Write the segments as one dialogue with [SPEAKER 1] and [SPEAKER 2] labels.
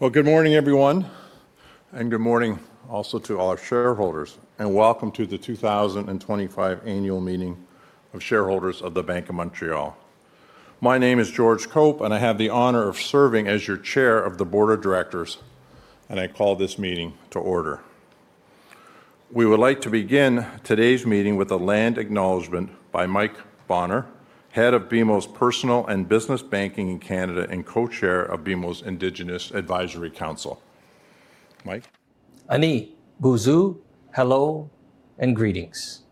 [SPEAKER 1] Good morning, everyone, and good morning also to all shareholders, and welcome to the 2025 Annual Meeting of Shareholders of the Bank of Montreal. My name is George Cope, and I have the honor of serving as your Chair of the Board of Directors, and I call this meeting to order. We would like to begin today's meeting with a land acknowledgment by Mike Bonner, Head of BMO's Personal and Business Banking in Canada and Co-Chair of BMO's Indigenous Advisory Council. Mike.
[SPEAKER 2] Annie Buzu, hello and greetings.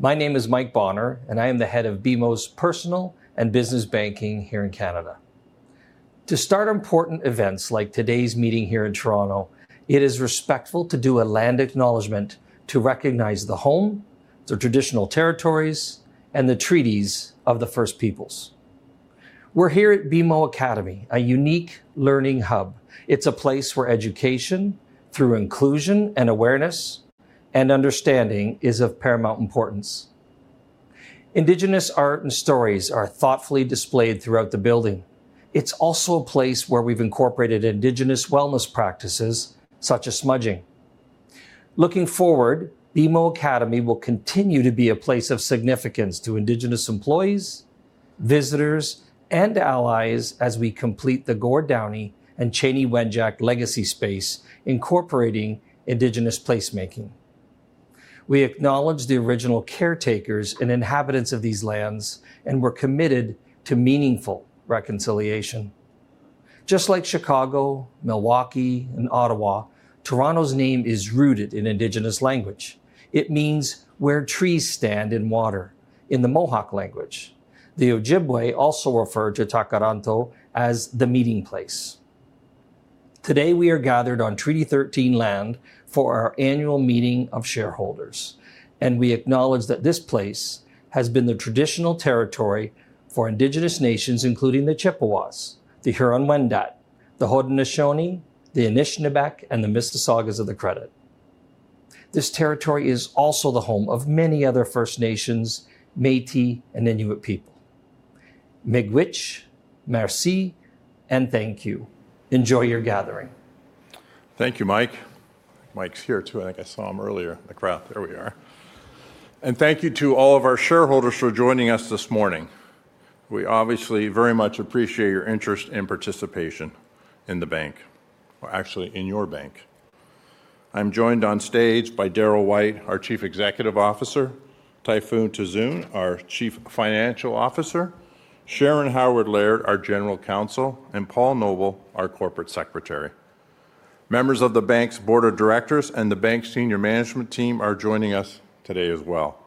[SPEAKER 2] My name is Mike Bonner, and I am the Head of BMO's Personal and Business Banking here in Canada. To start important events like today's meeting here in Toronto, it is respectful to do a land acknowledgment to recognize the home, the traditional territories, and the treaties of the First Peoples. We're here at BMO Academy, a unique learning hub. It's a place where education through inclusion and awareness and understanding is of paramount importance. Indigenous art and stories are thoughtfully displayed throughout the building. It's also a place where we've incorporated Indigenous wellness practices such as smudging. Looking forward, BMO Academy will continue to be a place of significance to Indigenous employees, visitors, and allies as we complete the Gord Downie and Chanie Wenjack legacy space, incorporating Indigenous placemaking. We acknowledge the original caretakers and inhabitants of these lands, and we're committed to meaningful reconciliation. Just like Chicago, Milwaukee, and Ottawa, Toronto's name is rooted in Indigenous language. It means where trees stand in water in the Mohawk language. The Ojibwe also refer to Takaranto as the meeting place. Today, we are gathered on Treaty 13 land for our annual meeting of shareholders, and we acknowledge that this place has been the traditional territory for Indigenous nations, including the Chippewas, the Huron-Wendat, the Haudenosaunee, the Anishinabek, and the Mississaugas of the Credit. This territory is also the home of many other First Nations, Métis, and Inuit people. Migwich, merci, and thank you. Enjoy your gathering.
[SPEAKER 1] Thank you, Mike. Mike's here too, and I guess I saw him earlier, the crowd. There we are. Thank you to all of our shareholders for joining us this morning. We obviously very much appreciate your interest and participation in the bank, or actually in your bank. I'm joined on stage by Darryl White, our Chief Executive Officer; Tayfun Tuzun, our Chief Financial Officer; Sharon Howard Laird, our General Counsel; and Paul Noble, our Corporate Secretary. Members of the bank's Board of Directors and the bank's senior management team are joining us today as well.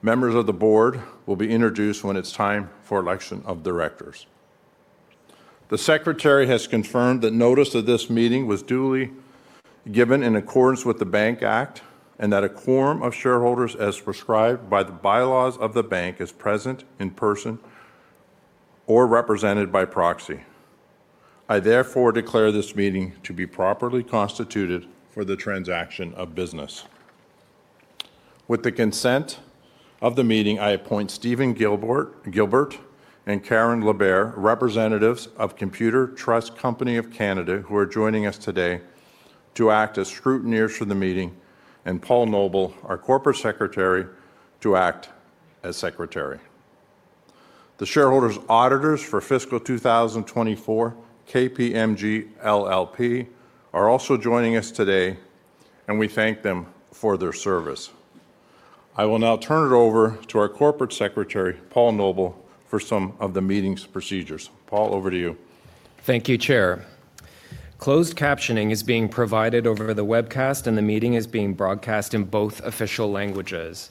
[SPEAKER 1] Members of the board will be introduced when it's time for election of directors. The Secretary has confirmed that notice of this meeting was duly given in accordance with the Bank Act and that a quorum of shareholders, as prescribed by the bylaws of the bank, is present in person or represented by proxy. I therefore declare this meeting to be properly constituted for the transaction of business. With the consent of the meeting, I appoint Stephen Gilbert and Karen LaBerge, representatives of Computershare, who are joining us today to act as scrutineers for the meeting, and Paul Noble, our Corporate Secretary, to act as Secretary. The shareholders' auditors for Fiscal 2024, KPMG LLP, are also joining us today, and we thank them for their service. I will now turn it over to our Corporate Secretary, Paul Noble, for some of the meeting's procedures. Paul, over to you.
[SPEAKER 3] Thank you, Chair. Closed captioning is being provided over the webcast, and the meeting is being broadcast in both official languages.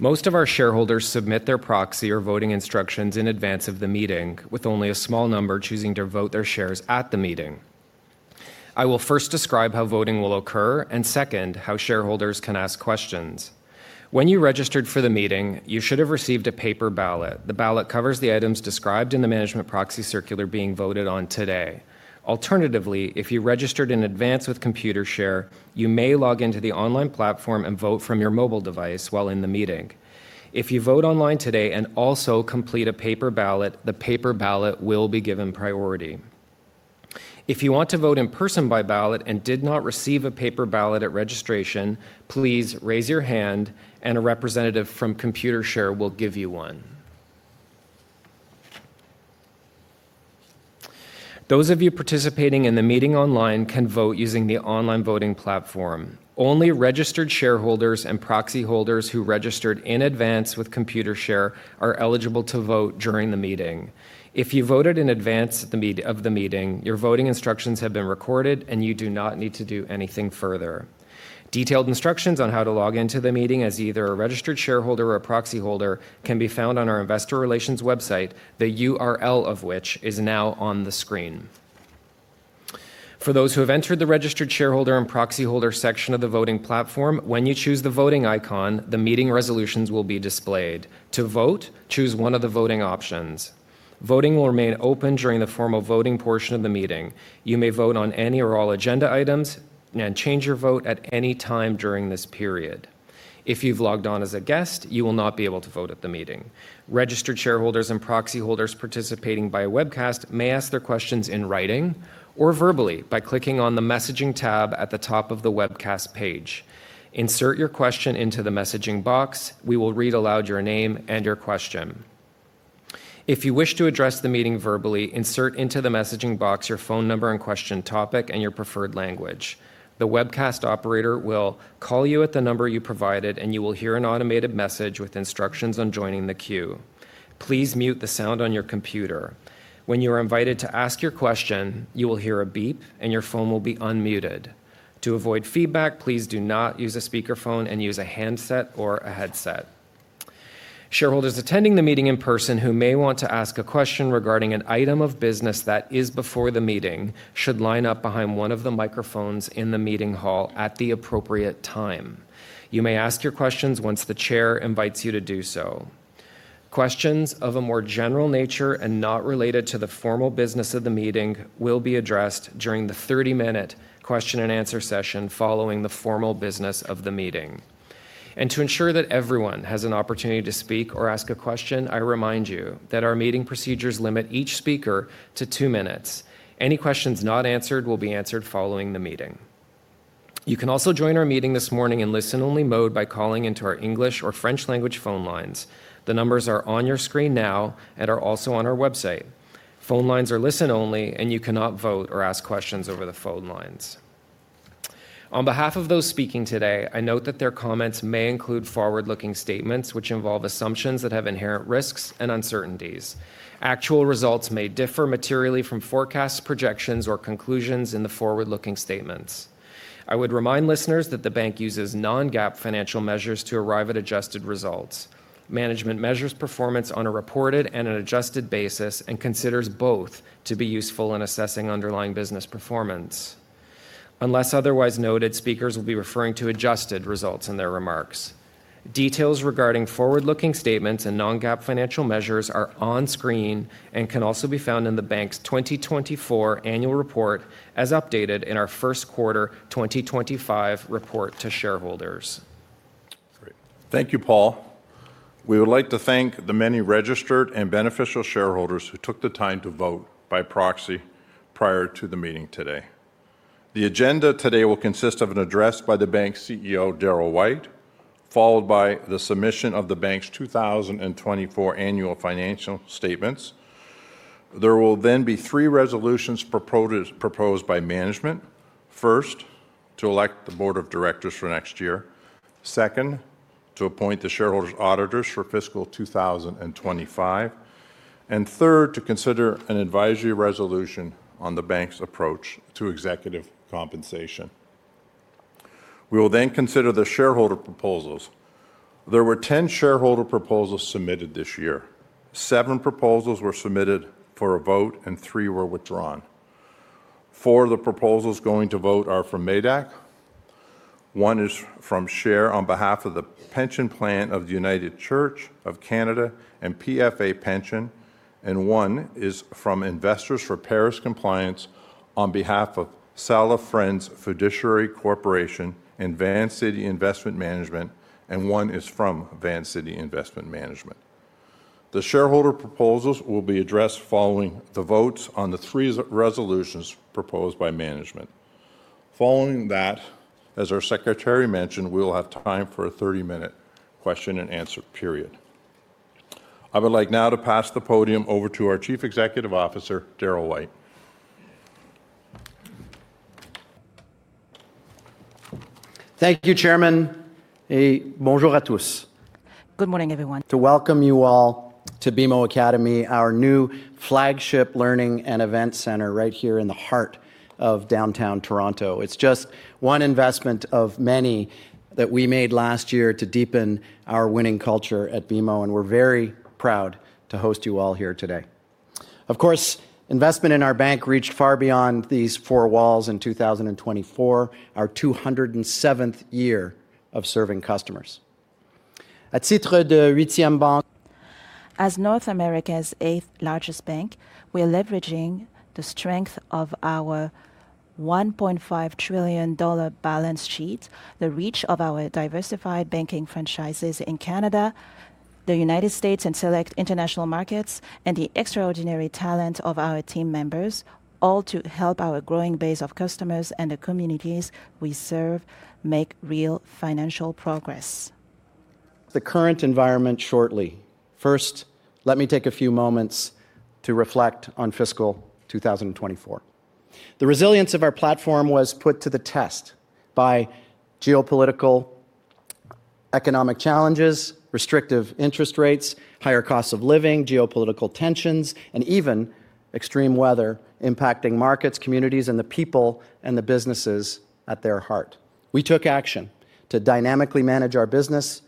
[SPEAKER 3] Most of our shareholders submit their proxy or voting instructions in advance of the meeting, with only a small number choosing to vote their shares at the meeting. I will first describe how voting will occur, and second, how shareholders can ask questions. When you registered for the meeting, you should have received a paper ballot. The ballot covers the items described in the management proxy circular being voted on today. Alternatively, if you registered in advance with Computershare, you may log into the online platform and vote from your mobile device while in the meeting. If you vote online today and also complete a paper ballot, the paper ballot will be given priority. If you want to vote in person by ballot and did not receive a paper ballot at registration, please raise your hand, and a representative from Computershare will give you one. Those of you participating in the meeting online can vote using the online voting platform. Only registered shareholders and proxy holders who registered in advance with Computershare are eligible to vote during the meeting. If you voted in advance of the meeting, your voting instructions have been recorded, and you do not need to do anything further. Detailed instructions on how to log into the meeting as either a registered shareholder or a proxy holder can be found on our investor relations website, the URL of which is now on the screen. For those who have entered the registered shareholder and proxy holder section of the voting platform, when you choose the voting icon, the meeting resolutions will be displayed. To vote, choose one of the voting options. Voting will remain open during the formal voting portion of the meeting. You may vote on any or all agenda items and change your vote at any time during this period. If you've logged on as a guest, you will not be able to vote at the meeting. Registered shareholders and proxy holders participating by webcast may ask their questions in writing or verbally by clicking on the messaging tab at the top of the webcast page. Insert your question into the messaging box. We will read aloud your name and your question. If you wish to address the meeting verbally, insert into the messaging box your phone number and question topic and your preferred language. The webcast operator will call you at the number you provided, and you will hear an automated message with instructions on joining the queue. Please mute the sound on your computer. When you are invited to ask your question, you will hear a beep, and your phone will be unmuted. To avoid feedback, please do not use a speakerphone and use a handset or a headset. Shareholders attending the meeting in person who may want to ask a question regarding an item of business that is before the meeting should line up behind one of the microphones in the meeting hall at the appropriate time. You may ask your questions once the Chair invites you to do so. Questions of a more general nature and not related to the formal business of the meeting will be addressed during the 30-minute question and answer session following the formal business of the meeting. To ensure that everyone has an opportunity to speak or ask a question, I remind you that our meeting procedures limit each speaker to two minutes. Any questions not answered will be answered following the meeting. You can also join our meeting this morning in listen-only mode by calling into our English or French language phone lines. The numbers are on your screen now and are also on our website. Phone lines are listen-only, and you cannot vote or ask questions over the phone lines. On behalf of those speaking today, I note that their comments may include forward-looking statements which involve assumptions that have inherent risks and uncertainties. Actual results may differ materially from forecasts, projections, or conclusions in the forward-looking statements. I would remind listeners that the bank uses non-GAAP financial measures to arrive at adjusted results. Management measures performance on a reported and an adjusted basis and considers both to be useful in assessing underlying business performance. Unless otherwise noted, speakers will be referring to adjusted results in their remarks. Details regarding forward-looking statements and non-GAAP financial measures are on screen and can also be found in the bank's 2024 annual report as updated in our First Quarter 2025 report to shareholders.
[SPEAKER 1] Great. Thank you, Paul. We would like to thank the many registered and beneficial shareholders who took the time to vote by proxy prior to the meeting today. The agenda today will consist of an address by the bank's CEO, Darryl White, followed by the submission of the bank's 2024 annual financial statements. There will then be three resolutions proposed by management. First, to elect the Board of Directors for next year. Second, to appoint the shareholders' auditors for Fiscal 2025. Third, to consider an advisory resolution on the bank's approach to executive compensation. We will then consider the shareholder proposals. There were 10 shareholder proposals submitted this year. Seven proposals were submitted for a vote, and three were withdrawn. Four of the proposals going to vote are from MEDAC. One is from Share on behalf of the Pension Plan of the United Church of Canada and PFA Pension, and one is from Investors for Paris Compliance on behalf of Sala Friends Fiduciary Corporation and Van City Investment Management, and one is from Van City Investment Management. The shareholder proposals will be addressed following the votes on the three resolutions proposed by management. Following that, as our Secretary mentioned, we will have time for a 30-minute question and answer period. I would like now to pass the podium over to our Chief Executive Officer, Darryl White.
[SPEAKER 4] Thank you, Chairman. Bonjour à tous. Good morning, everyone. To welcome you all to BMO Academy, our new flagship learning and events center right here in the heart of downtown Toronto. It's just one investment of many that we made last year to deepen our winning culture at BMO, and we're very proud to host you all here today. Of course, investment in our bank reached far beyond these four walls in 2024, our 207th year of serving customers. À titre de huitième banque. As North America's eighth largest bank, we are leveraging the strength of our 1.5 trillion dollar balance sheet, the reach of our diversified banking franchises in Canada, the United States and select international markets, and the extraordinary talent of our team members, all to help our growing base of customers and the communities we serve make real financial progress. The current environment shortly. First, let me take a few moments to reflect on Fiscal 2024. The resilience of our platform was put to the test by geopolitical, economic challenges, restrictive interest rates, higher costs of living, geopolitical tensions, and even extreme weather impacting markets, communities, and the people and the businesses at their heart. We took action to dynamically manage our business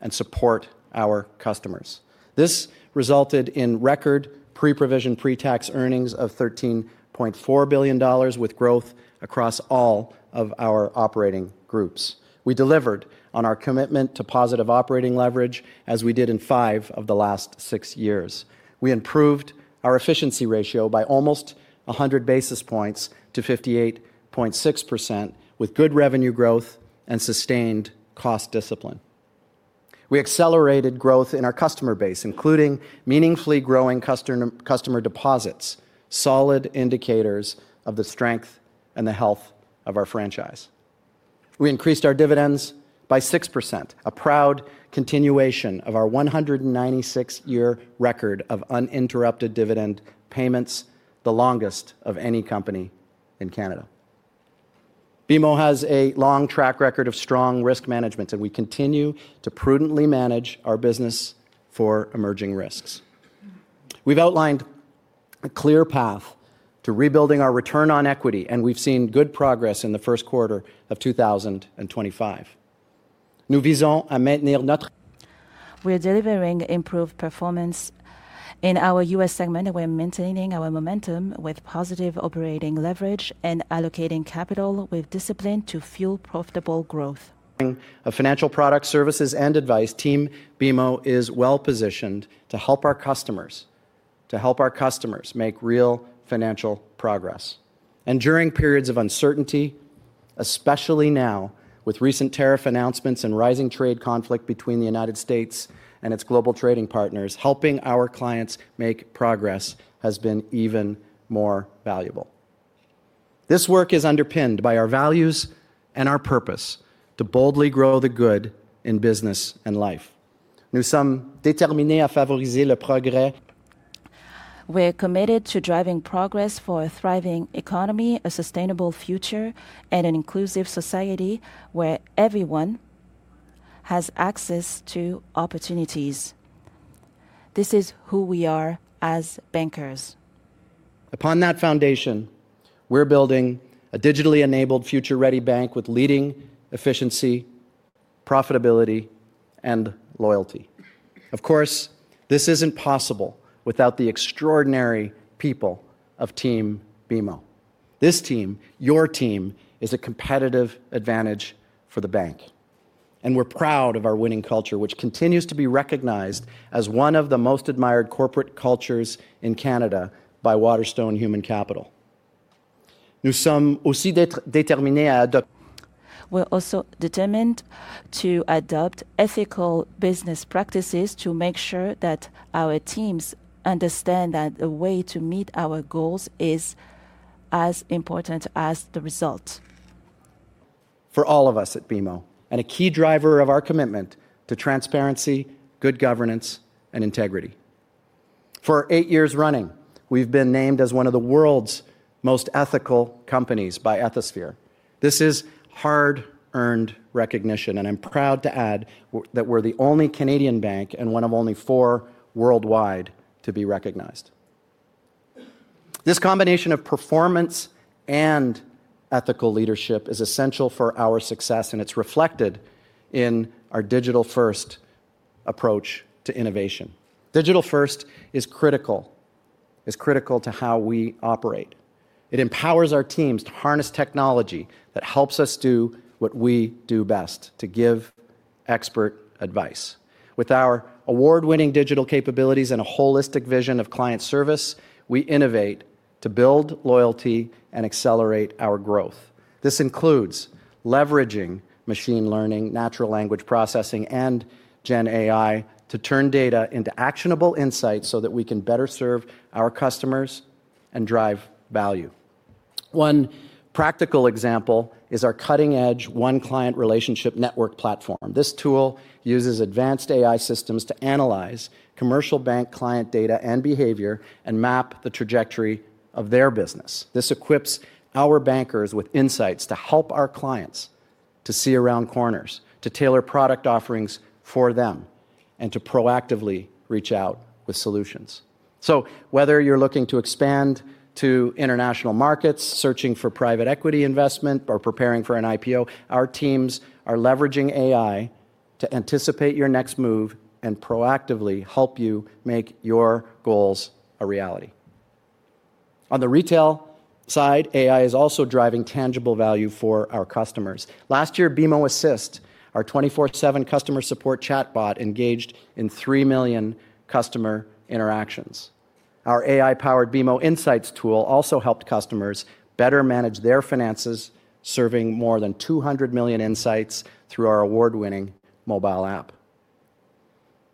[SPEAKER 4] and support our customers. This resulted in record pre-provision pretax earnings of 13.4 billion dollars, with growth across all of our operating groups. We delivered on our commitment to positive operating leverage as we did in five of the last six years. We improved our efficiency ratio by almost 100 basis points to 58.6%, with good revenue growth and sustained cost discipline. We accelerated growth in our customer base, including meaningfully growing customer deposits, solid indicators of the strength and the health of our franchise. We increased our dividends by 6%, a proud continuation of our 196-year record of uninterrupted dividend payments, the longest of any company in Canada. BMO has a long track record of strong risk management, and we continue to prudently manage our business for emerging risks. We've outlined a clear path to rebuilding our return on equity, and we've seen good progress in the first quarter of 2025. Nous visons à maintenir notre. We are delivering improved performance in our U.S. segment. We're maintaining our momentum with positive operating leverage and allocating capital with discipline to fuel profitable growth. Our financial product services and advice team, BMO is well positioned to help our customers, to help our customers make real financial progress. During periods of uncertainty, especially now with recent tariff announcements and rising trade conflict between the United States and its global trading partners, helping our clients make progress has been even more valuable. This work is underpinned by our values and our purpose to boldly grow the good in business and life. Nous sommes déterminés à favoriser le progrès. We are committed to driving progress for a thriving economy, a sustainable future, and an inclusive society where everyone has access to opportunities. This is who we are as bankers. Upon that foundation, we're building a digitally enabled, future-ready bank with leading efficiency, profitability, and loyalty. Of course, this isn't possible without the extraordinary people of Team BMO. This team, your team, is a competitive advantage for the bank, and we're proud of our winning culture, which continues to be recognized as one of the most admired corporate cultures in Canada by Waterstone Human Capital. Nous sommes aussi déterminés à adopt. We're also determined to adopt ethical business practices to make sure that our teams understand that the way to meet our goals is as important as the result. For all of us at BMO, and a key driver of our commitment to transparency, good governance, and integrity. For eight years running, we've been named as one of the world's most ethical companies by Ethisphere. This is hard-earned recognition, and I'm proud to add that we're the only Canadian bank and one of only four worldwide to be recognized. This combination of performance and ethical leadership is essential for our success, and it's reflected in our digital-first approach to innovation. Digital-first is critical to how we operate. It empowers our teams to harness technology that helps us do what we do best: to give expert advice. With our award-winning digital capabilities and a holistic vision of client service, we innovate to build loyalty and accelerate our growth. This includes leveraging machine learning, natural language processing, and GenAI to turn data into actionable insights so that we can better serve our customers and drive value. One practical example is our cutting-edge One Client Relationship Network platform. This tool uses advanced AI systems to analyze commercial bank client data and behavior and map the trajectory of their business. This equips our bankers with insights to help our clients to see around corners, to tailor product offerings for them, and to proactively reach out with solutions. Whether you're looking to expand to international markets, searching for private equity investment, or preparing for an IPO, our teams are leveraging AI to anticipate your next move and proactively help you make your goals a reality. On the retail side, AI is also driving tangible value for our customers. Last year, BMO Assist, our 24/7 customer support chatbot, engaged in 3 million customer interactions. Our AI-powered BMO Insights tool also helped customers better manage their finances, serving more than 200 million insights through our award-winning mobile app.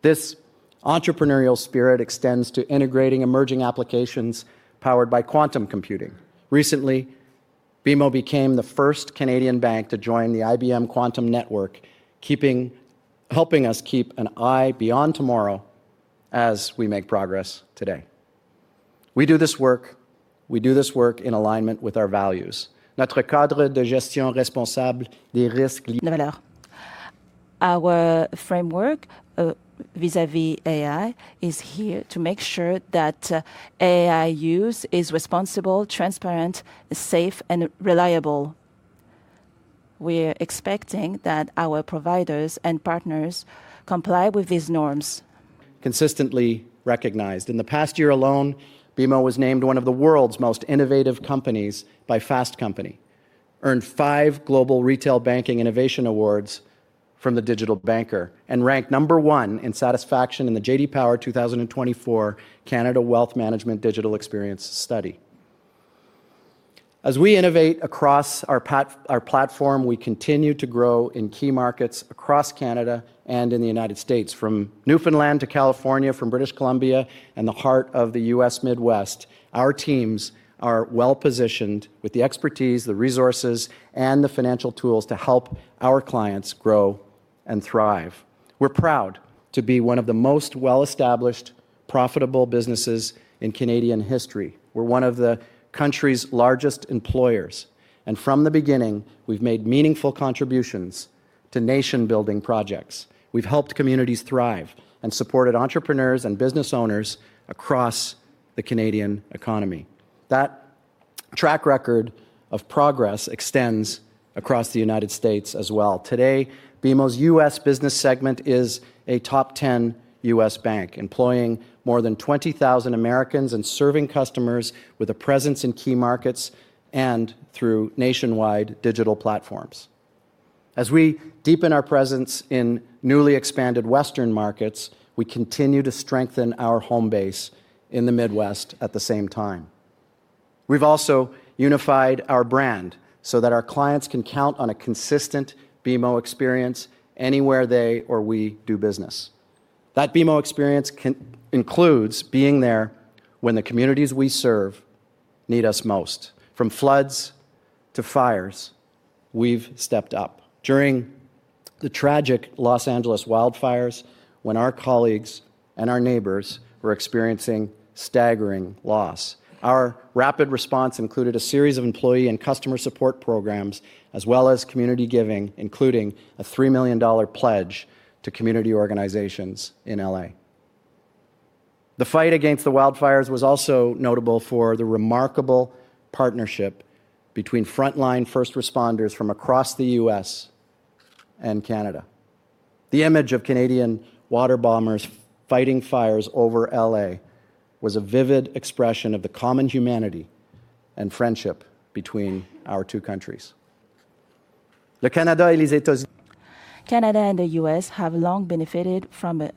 [SPEAKER 4] This entrepreneurial spirit extends to integrating emerging applications powered by quantum computing. Recently, BMO became the first Canadian bank to join the IBM Quantum Network, helping us keep an eye beyond tomorrow as we make progress today. We do this work, we do this work in alignment with our values. Notre cadre de gestion responsable des risques. The value. Our framework vis-à-vis AI is here to make sure that AI use is responsible, transparent, safe, and reliable. We're expecting that our providers and partners comply with these norms. Consistently recognized. In the past year alone, BMO was named one of the world's most innovative companies by Fast Company. Earned five global retail banking innovation awards from the Digital Banker, and ranked number one in satisfaction in the J.D. Power 2024 Canada Wealth Management Digital Experience Study. As we innovate across our platform, we continue to grow in key markets across Canada and in the United States, from Newfoundland to California, from British Columbia, and the heart of the U.S. Midwest. Our teams are well positioned with the expertise, the resources, and the financial tools to help our clients grow and thrive. We're proud to be one of the most well-established, profitable businesses in Canadian history. We're one of the country's largest employers, and from the beginning, we've made meaningful contributions to nation-building projects. We've helped communities thrive and supported entrepreneurs and business owners across the Canadian economy. That track record of progress extends across the United States as well. Today, BMO's U.S. business segment is a top 10 U.S. bank, employing more than 20,000 Americans and serving customers with a presence in key markets and through nationwide digital platforms. As we deepen our presence in newly expanded Western markets, we continue to strengthen our home base in the Midwest at the same time. We have also unified our brand so that our clients can count on a consistent BMO experience anywhere they or we do business. That BMO experience includes being there when the communities we serve need us most. From floods to fires, we have stepped up. During the tragic Los Angeles wildfires, when our colleagues and our neighbors were experiencing staggering loss, our rapid response included a series of employee and customer support programs, as well as community giving, including a 3 million dollar pledge to community organizations in LA. The fight against the wildfires was also notable for the remarkable partnership between frontline first responders from across the U.S. and Canada. The image of Canadian water bombers fighting fires over LA was a vivid expression of the common humanity and friendship between our two countries. Le Canada et les États-Unis. Canada and the U.S. have long benefited from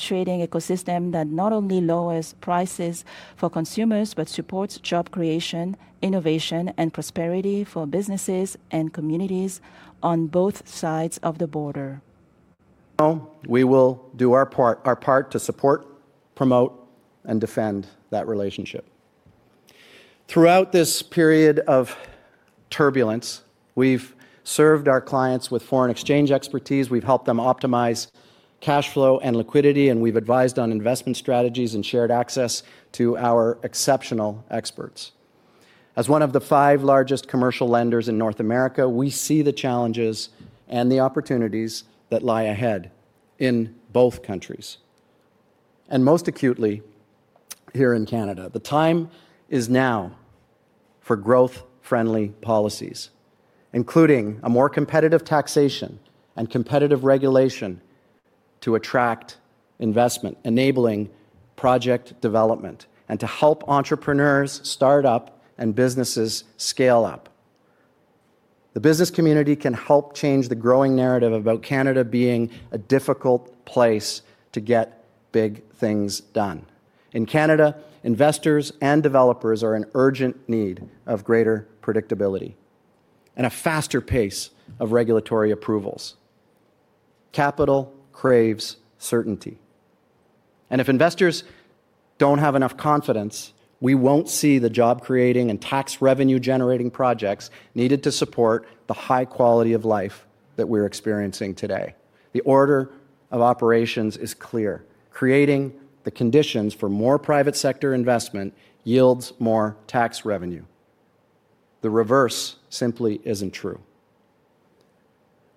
[SPEAKER 4] a trading ecosystem that not only lowers prices for consumers but supports job creation, innovation, and prosperity for businesses and communities on both sides of the border. We will do our part, our part to support, promote, and defend that relationship. Throughout this period of turbulence, we've served our clients with foreign exchange expertise, we've helped them optimize cash flow and liquidity, and we've advised on investment strategies and shared access to our exceptional experts. As one of the five largest commercial lenders in North America, we see the challenges and the opportunities that lie ahead in both countries. Most acutely here in Canada, the time is now for growth-friendly policies, including a more competitive taxation and competitive regulation to attract investment, enabling project development, and to help entrepreneurs, startups, and businesses scale up. The business community can help change the growing narrative about Canada being a difficult place to get big things done. In Canada, investors and developers are in urgent need of greater predictability and a faster pace of regulatory approvals. Capital craves certainty. If investors do not have enough confidence, we will not see the job-creating and tax revenue-generating projects needed to support the high quality of life that we are experiencing today. The order of operations is clear. Creating the conditions for more private sector investment yields more tax revenue. The reverse simply is not true.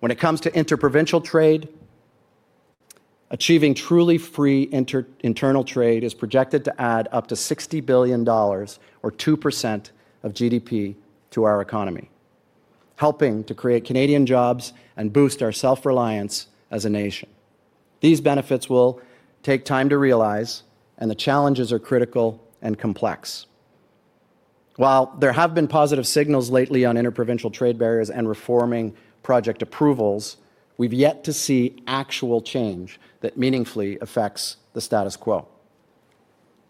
[SPEAKER 4] When it comes to interprovincial trade, achieving truly free internal trade is projected to add up to 60 billion dollars, or 2% of GDP, to our economy, helping to create Canadian jobs and boost our self-reliance as a nation. These benefits will take time to realize, and the challenges are critical and complex. While there have been positive signals lately on interprovincial trade barriers and reforming project approvals, we have yet to see actual change that meaningfully affects the status quo.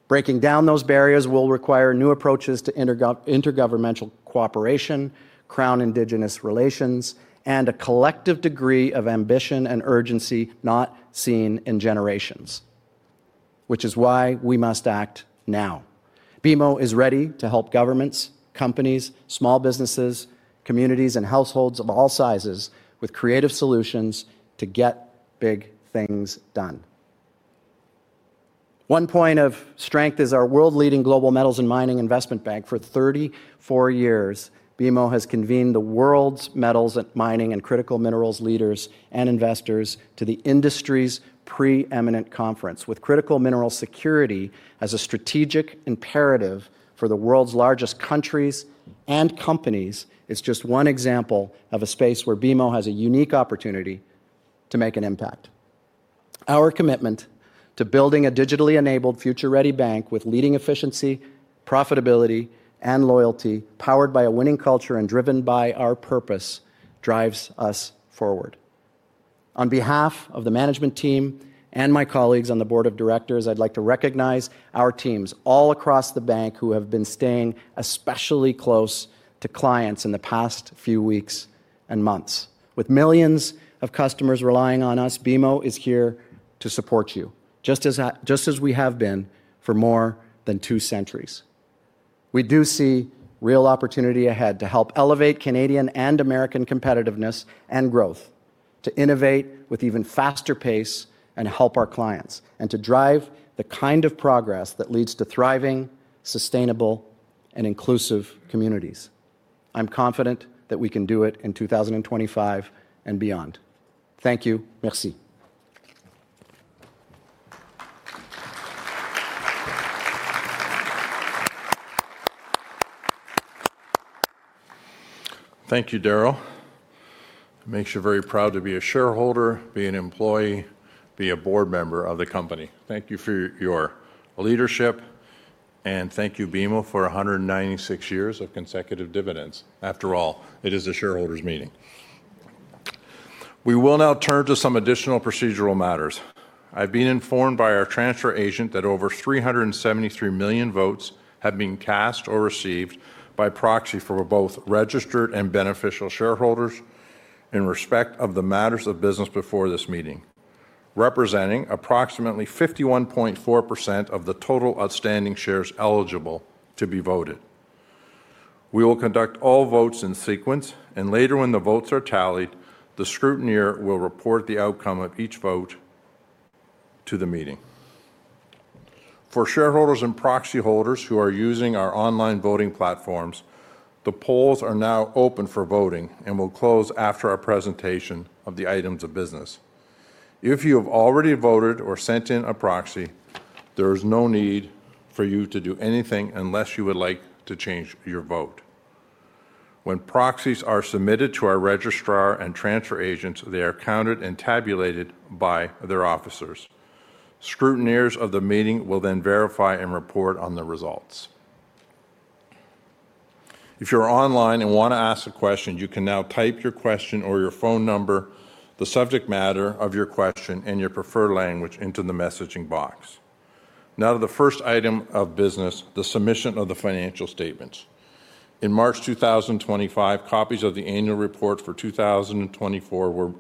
[SPEAKER 4] Breaking down those barriers will require new approaches to intergovernmental cooperation, Crown Indigenous relations, and a collective degree of ambition and urgency not seen in generations, which is why we must act now. BMO is ready to help governments, companies, small businesses, communities, and households of all sizes with creative solutions to get big things done. One point of strength is our world-leading global metals and mining investment bank. For 34 years, BMO has convened the world's metals and mining and critical minerals leaders and investors to the industry's preeminent conference. With critical minerals security as a strategic imperative for the world's largest countries and companies, it's just one example of a space where BMO has a unique opportunity to make an impact. Our commitment to building a digitally enabled, future-ready bank with leading efficiency, profitability, and loyalty, powered by a winning culture and driven by our purpose, drives us forward. On behalf of the management team and my colleagues on the board of directors, I'd like to recognize our teams all across the bank who have been staying especially close to clients in the past few weeks and months. With millions of customers relying on us, BMO is here to support you, just as we have been for more than two centuries. We do see real opportunity ahead to help elevate Canadian and American competitiveness and growth, to innovate with even faster pace and help our clients, and to drive the kind of progress that leads to thriving, sustainable, and inclusive communities. I'm confident that we can do it in 2025 and beyond. Thank you, merci.
[SPEAKER 1] Thank you, Darryl. It makes you very proud to be a shareholder, be an employee, be a board member of the company. Thank you for your leadership, and thank you, BMO, for 196 years of consecutive dividends. After all, it is a shareholders' meeting. We will now turn to some additional procedural matters. I've been informed by our transfer agent that over 373 million votes have been cast or received by proxy for both registered and beneficial shareholders in respect of the matters of business before this meeting, representing approximately 51.4% of the total outstanding shares eligible to be voted. We will conduct all votes in sequence, and later when the votes are tallied, the scrutineer will report the outcome of each vote to the meeting. For shareholders and proxy holders who are using our online voting platforms, the polls are now open for voting and will close after our presentation of the items of business. If you have already voted or sent in a proxy, there is no need for you to do anything unless you would like to change your vote. When proxies are submitted to our registrar and transfer agents, they are counted and tabulated by their officers. Scrutineers of the meeting will then verify and report on the results. If you're online and want to ask a question, you can now type your question or your phone number, the subject matter of your question, and your preferred language into the messaging box. Now to the first item of business, the submission of the financial statements. In March 2025, copies of the annual report for 2024 were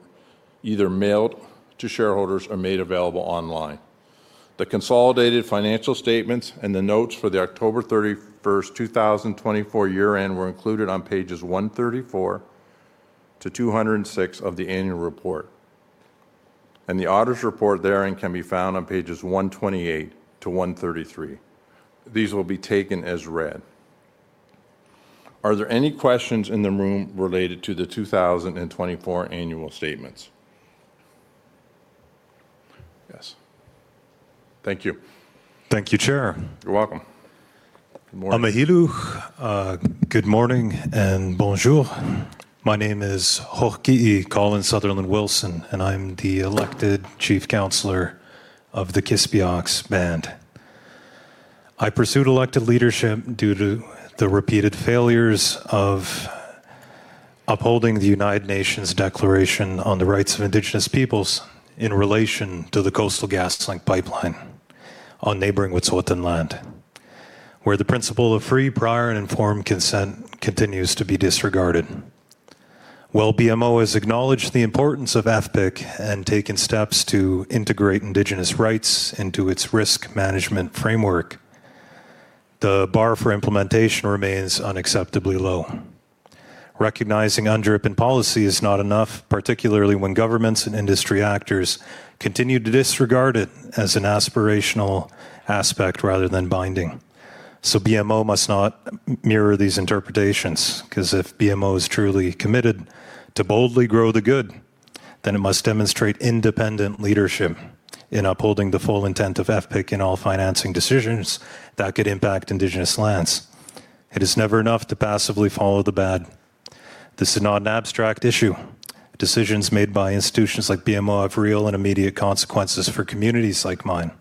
[SPEAKER 1] either mailed to shareholders or made available online. The consolidated financial statements and the notes for the October 31st, 2024 year-end were included on pages 134 to 206 of the annual report, and the auditor's report therein can be found on pages 128 to 133. These will be taken as read. Are there any questions in the room related to the 2024 annual statements? Yes. Thank you.
[SPEAKER 5] Thank you, Chair.
[SPEAKER 1] You're welcome. Good morning.
[SPEAKER 5] Amirillo, good morning, and bonjour. My name is Hokey E. Collins, Sutherland Wilson, and I'm the elected chief counselor of the Kisgegas Band. I pursued elected leadership due to the repeated failures of upholding the United Nations Declaration on the Rights of Indigenous Peoples in relation to the Coastal GasLink pipeline on neighboring Wet'suwet'en land, where the principle of free, prior, and informed consent continues to be disregarded. While BMO has acknowledged the importance of FPIC and taken steps to integrate Indigenous rights into its risk management framework, the bar for implementation remains unacceptably low. Recognizing UNDRIP in policy is not enough, particularly when governments and industry actors continue to disregard it as an aspirational aspect rather than binding. BMO must not mirror these interpretations, because if BMO is truly committed to boldly grow the good, then it must demonstrate independent leadership in upholding the full intent of AFPIC in all financing decisions that could impact Indigenous lands. It is never enough to passively follow the bad. This is not an abstract issue. Decisions made by institutions like BMO have real and immediate consequences for communities like mine.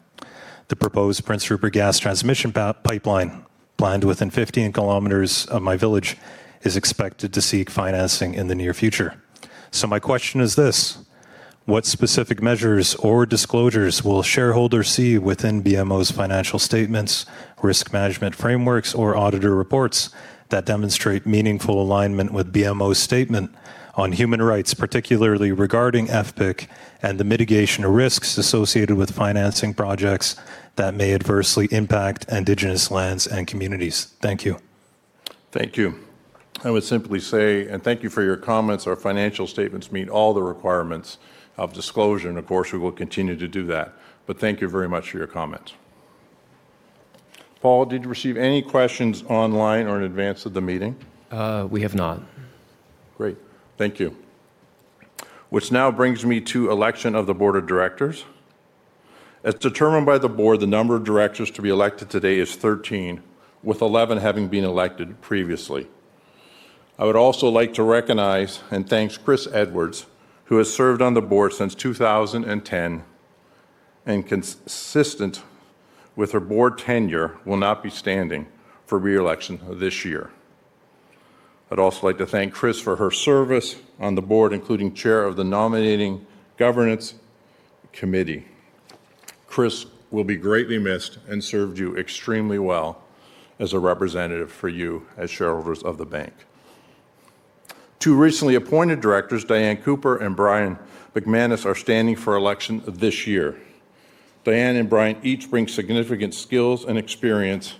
[SPEAKER 5] The proposed Prince Rupert Gas Transmission Pipeline, planned within 15 kilometers of my village, is expected to seek financing in the near future. My question is this: what specific measures or disclosures will shareholders see within BMO's financial statements, risk management frameworks, or auditor reports that demonstrate meaningful alignment with BMO's statement on human rights, particularly regarding AFPIC and the mitigation of risks associated with financing projects that may adversely impact Indigenous lands and communities? Thank you.
[SPEAKER 1] Thank you. I would simply say, thank you for your comments. Our financial statements meet all the requirements of disclosure, and of course, we will continue to do that. Thank you very much for your comments. Paul, did you receive any questions online or in advance of the meeting?
[SPEAKER 3] We have not.
[SPEAKER 1] Great. Thank you. Which now brings me to the election of the board of directors. As determined by the board, the number of directors to be elected today is 13, with 11 having been elected previously. I would also like to recognize and thank Chris Edwards, who has served on the board since 2010 and, consistent with her board tenure, will not be standing for reelection this year. I'd also like to thank Chris for her service on the board, including chair of the nominating governance committee. Chris will be greatly missed and served you extremely well as a representative for you as shareholders of the bank. Two recently appointed directors, Diane Cooper and Brian McManus, are standing for election this year. Diane and Brian each bring significant skills and experience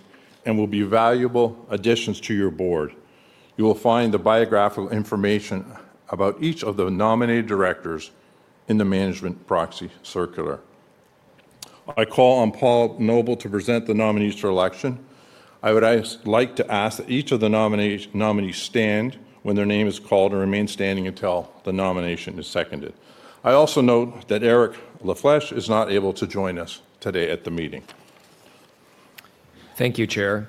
[SPEAKER 1] and will be valuable additions to your board. You will find the biographical information about each of the nominated directors in the management proxy circular. I call on Paul Noble to present the nominees for election. I would like to ask that each of the nominees stand when their name is called and remain standing until the nomination is seconded. I also note that Eric LaFlamme is not able to join us today at the meeting.
[SPEAKER 3] Thank you, Chair.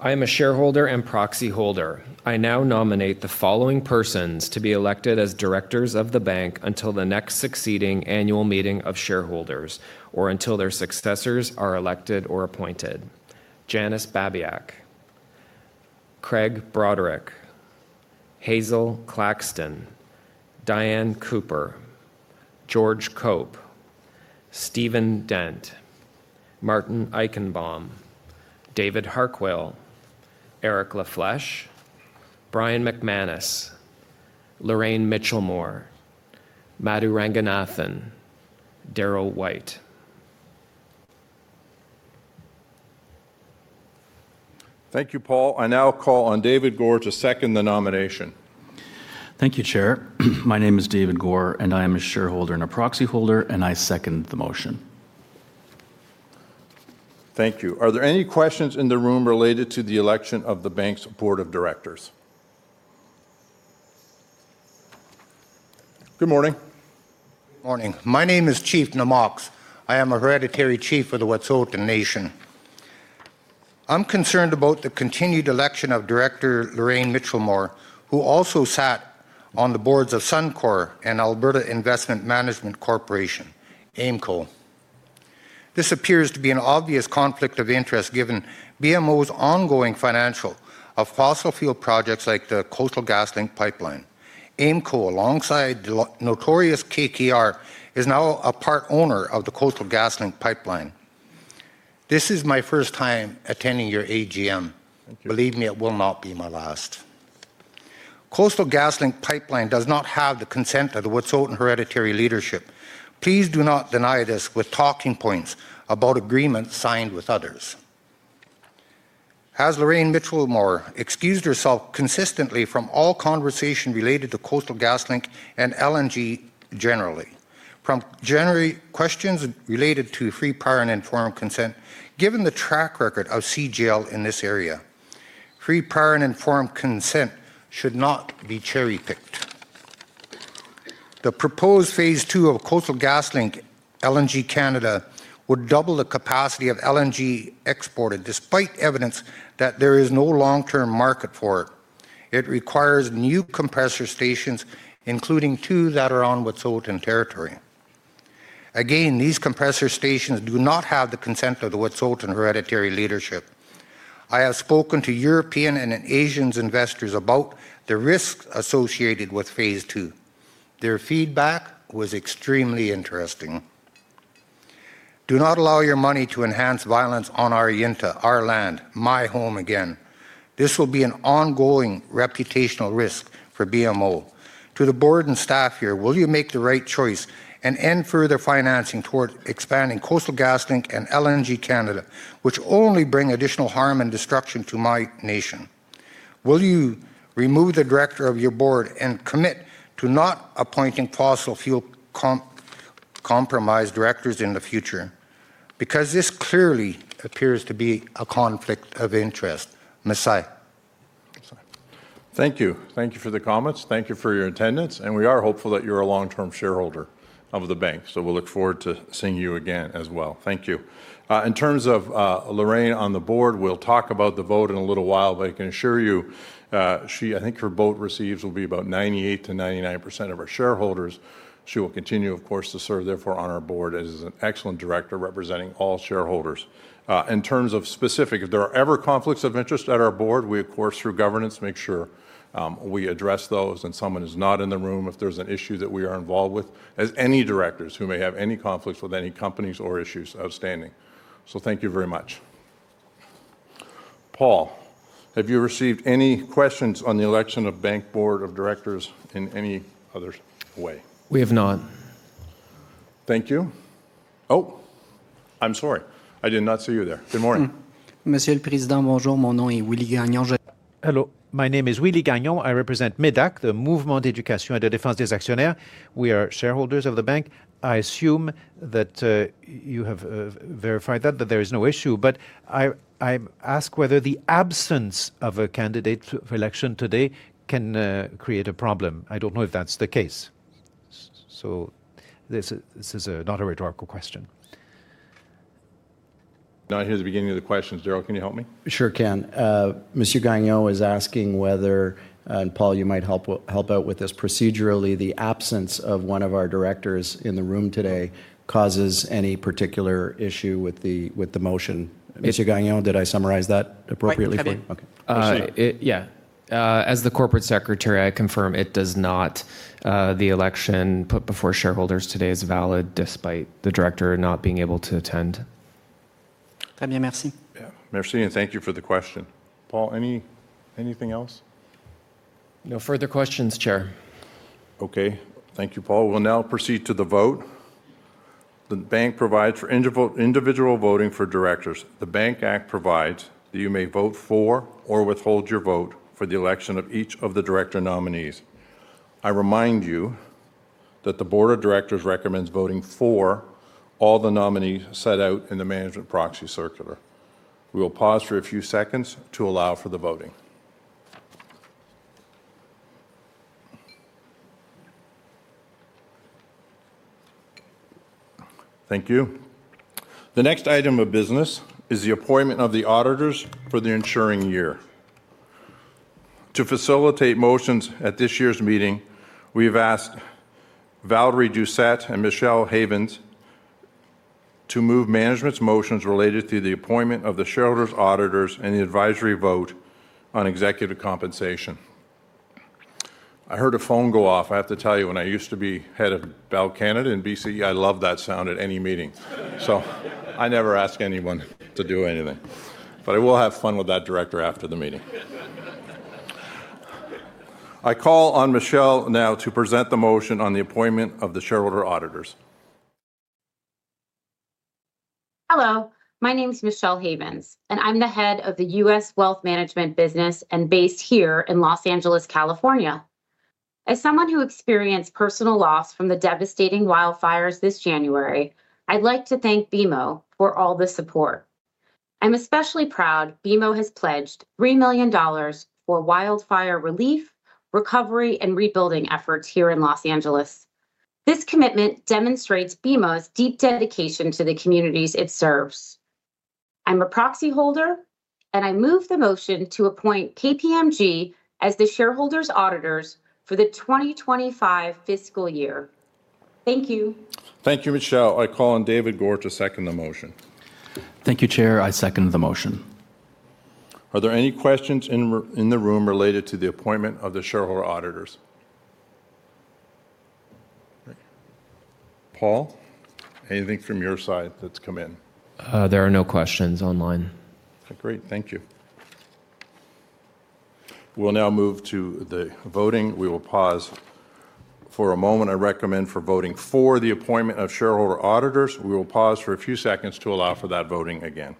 [SPEAKER 3] I am a shareholder and proxy holder. I now nominate the following persons to be elected as directors of the bank until the next succeeding annual meeting of shareholders or until their successors are elected or appointed: Janice Babiak, Craig Broderick, Hazel Claxton, Diane Cooper, George Cope, Stephen Dent, Martin Eichenbaum, David Harquail, Eric LaFlamme, Brian McManus, Lorraine Mitchelmore, Madhu Ranganathan, Darryl White.
[SPEAKER 1] Thank you, Paul. I now call on David Gore to second the nomination.
[SPEAKER 6] Thank you, Chair. My name is David Gore, and I am a shareholder and a proxy holder, and I second the motion.
[SPEAKER 1] Thank you. Are there any questions in the room related to the election of the bank's board of directors? Good morning.
[SPEAKER 7] Good morning. My name is Chief Na'Moks. I am a hereditary chief of the Wet'suwet'en Nation. I'm concerned about the continued election of Director Lorraine Mitchelmore, who also sat on the boards of SunCor and Alberta Investment Management Corporation, AIMCO. This appears to be an obvious conflict of interest given BMO's ongoing financial of fossil fuel projects like the Coastal GasLink pipeline. AIMCO, alongside the notorious KKR, is now a part owner of the Coastal GasLink pipeline. This is my first time attending your AGM. Believe me, it will not be my last. Coastal GasLink pipeline does not have the consent of the Wet'suwet'en hereditary leadership. Please do not deny this with talking points about agreements signed with others. As Lorraine Mitchelmore excused herself consistently from all conversation related to Coastal GasLink and LNG generally, from generally questions related to free, prior, and informed consent, given the track record of CGL in this area, free, prior, and informed consent should not be cherry-picked. The proposed phase two of Coastal GasLink LNG Canada would double the capacity of LNG exported despite evidence that there is no long-term market for it. It requires new compressor stations, including two that are on Wet'suwet'en territory. Again, these compressor stations do not have the consent of the Wet'suwet'en hereditary leadership. I have spoken to European and Asian investors about the risks associated with phase two. Their feedback was extremely interesting. Do not allow your money to enhance violence on our Yinta, our land, my home again. This will be an ongoing reputational risk for BMO. To the board and staff here, will you make the right choice and end further financing toward expanding Coastal GasLink and LNG Canada, which only bring additional harm and destruction to my nation? Will you remove the director of your board and commit to not appointing fossil fuel compromised directors in the future? Because this clearly appears to be a conflict of interest.
[SPEAKER 1] Thank you. Thank you for the comments. Thank you for your attendance, and we are hopeful that you're a long-term shareholder of the bank, so we'll look forward to seeing you again as well. Thank you. In terms of Lorraine on the board, we'll talk about the vote in a little while, but I can assure you she, I think her vote receives will be about 98-99% of our shareholders. She will continue, of course, to serve therefore on our board as an excellent director representing all shareholders. In terms of specific, if there are ever conflicts of interest at our board, we, of course, through governance, make sure we address those, and someone is not in the room if there's an issue that we are involved with, as any directors who may have any conflicts with any companies or issues outstanding. Thank you very much. Paul, have you received any questions on the election of bank board of directors in any other way?
[SPEAKER 3] We have not.
[SPEAKER 1] Thank you. Oh, I'm sorry. I did not see you there. Good morning.
[SPEAKER 8] Hello, my name is Willy Gagnon. I represent MEDAC, the Movement d'Éducation et de Défense des Actionnaires. We are shareholders of the bank. I assume that you have verified that, that there is no issue, but I ask whether the absence of a candidate for election today can create a problem. I do not know if that is the case. This is not a rhetorical question.
[SPEAKER 1] Not here at the beginning of the questions. Darryl, can you help me?
[SPEAKER 4] Sure can. Mr. Gagnon was asking whether, and Paul, you might help out with this procedurally, the absence of one of our directors in the room today causes any particular issue with the motion. Mr. Gagnon, did I summarize that appropriately for you?
[SPEAKER 3] Yeah. As the Corporate Secretary, I confirm it does not. The election put before shareholders today is valid despite the director not being able to attend.
[SPEAKER 1] Thank you for the question. Paul, anything else?
[SPEAKER 3] No further questions, Chair.
[SPEAKER 1] Okay. Thank you, Paul. We'll now proceed to the vote. The bank provides for individual voting for directors. The Bank Act provides that you may vote for or withhold your vote for the election of each of the director nominees. I remind you that the board of directors recommends voting for all the nominees set out in the management proxy circular. We will pause for a few seconds to allow for the voting. Thank you. The next item of business is the appointment of the auditors for the ensuing year. To facilitate motions at this year's meeting, we have asked Valerie Doucet and Michelle Havens to move management's motions related to the appointment of the shareholders, auditors, and the advisory vote on executive compensation. I heard a phone go off. I have to tell you, when I used to be head of Bell Canada and BCE, I loved that sound at any meeting. I never ask anyone to do anything, but I will have fun with that director after the meeting. I call on Michelle now to present the motion on the appointment of the shareholder auditors.
[SPEAKER 9] Hello. My name is Michelle Havens, and I'm the head of the U.S. Wealth Management business and based here in Los Angeles, California. As someone who experienced personal loss from the devastating wildfires this January, I'd like to thank BMO for all the support. I'm especially proud BMO has pledged $3 million for wildfire relief, recovery, and rebuilding efforts here in Los Angeles. This commitment demonstrates BMO's deep dedication to the communities it serves. I'm a proxy holder, and I move the motion to appoint KPMG as the shareholders' auditors for the 2025 fiscal year. Thank you.
[SPEAKER 1] Thank you, Michelle. I call on David Gore to second the motion.
[SPEAKER 6] Thank you, Chair. I second the motion.
[SPEAKER 1] Are there any questions in the room related to the appointment of the shareholder auditors? Paul, anything from your side that's come in?
[SPEAKER 3] There are no questions online.
[SPEAKER 1] Great. Thank you. We'll now move to the voting. We will pause for a moment. I recommend voting for the appointment of shareholder auditors. We will pause for a few seconds to allow for that voting again.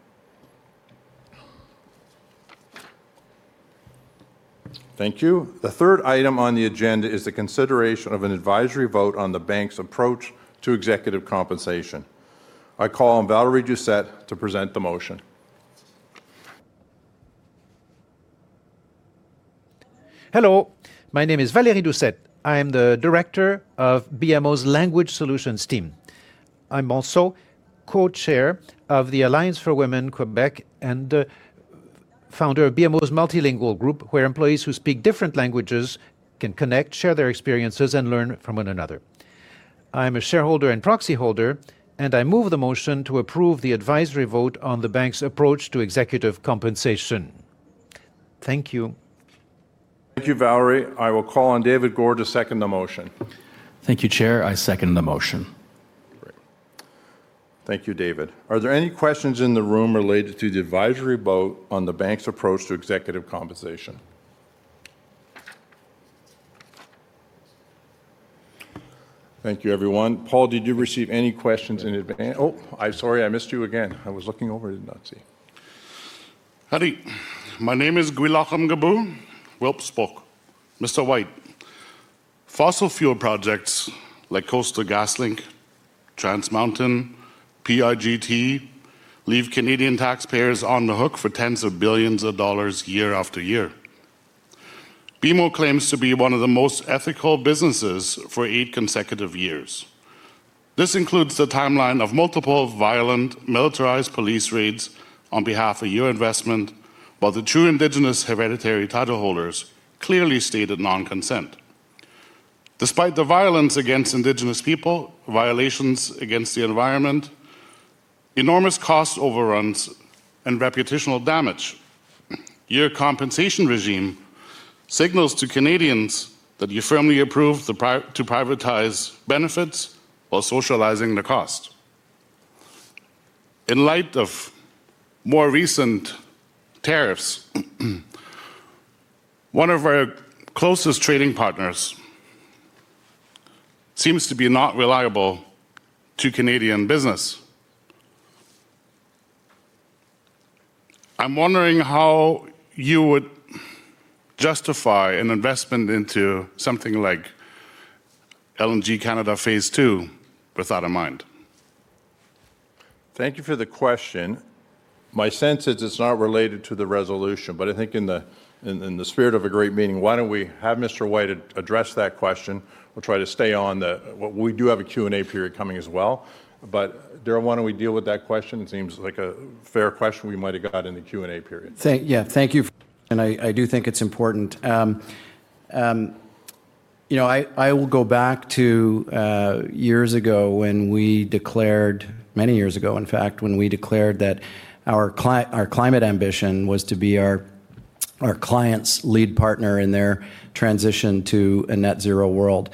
[SPEAKER 1] Thank you. The third item on the agenda is the consideration of an advisory vote on the bank's approach to executive compensation. I call on Valerie Doucet to present the motion.
[SPEAKER 10] Hello. My name is Valerie Doucet. I am the director of BMO's Language Solutions team. I'm also co-chair of the Alliance for Women Quebec and founder of BMO's Multilingual Group, where employees who speak different languages can connect, share their experiences, and learn from one another. I'm a shareholder and proxy holder, and I move the motion to approve the advisory vote on the bank's approach to executive compensation. Thank you.
[SPEAKER 1] Thank you, Valerie. I will call on David Gore to second the motion.
[SPEAKER 6] Thank you, Chair. I second the motion.
[SPEAKER 1] Great. Thank you, David. Are there any questions in the room related to the advisory vote on the bank's approach to executive compensation? Thank you, everyone. Paul, did you receive any questions in advance? Oh, I'm sorry, I missed you again. I was looking over and did not see. Hi. My name is Gwilach Amgaboo. Welp spoke. Mr. White, fossil fuel projects like Coastal GasLink, Trans Mountain, PIGT leave Canadian taxpayers on the hook for tens of billions of dollars year after year. BMO claims to be one of the most ethical businesses for eight consecutive years. This includes the timeline of multiple violent militarized police raids on behalf of your investment, while the two Indigenous hereditary title holders clearly stated non-consent. Despite the violence against Indigenous people, violations against the environment, enormous cost overruns, and reputational damage, your compensation regime signals to Canadians that you firmly approve to privatize benefits while socializing the cost. In light of more recent tariffs, one of our closest trading partners seems to be not reliable to Canadian business. I'm wondering how you would justify an investment into something like LNG Canada phase two without a mind. Thank you for the question. My sense is it's not related to the resolution, but I think in the spirit of a great meeting, why don't we have Mr. White address that question? We'll try to stay on the, we do have a Q&A period coming as well. Darryl, why don't we deal with that question? It seems like a fair question we might have got in the Q&A period.
[SPEAKER 4] Yeah, thank you. I do think it's important. You know, I will go back to years ago when we declared, many years ago, in fact, when we declared that our climate ambition was to be our client's lead partner in their transition to a net zero world.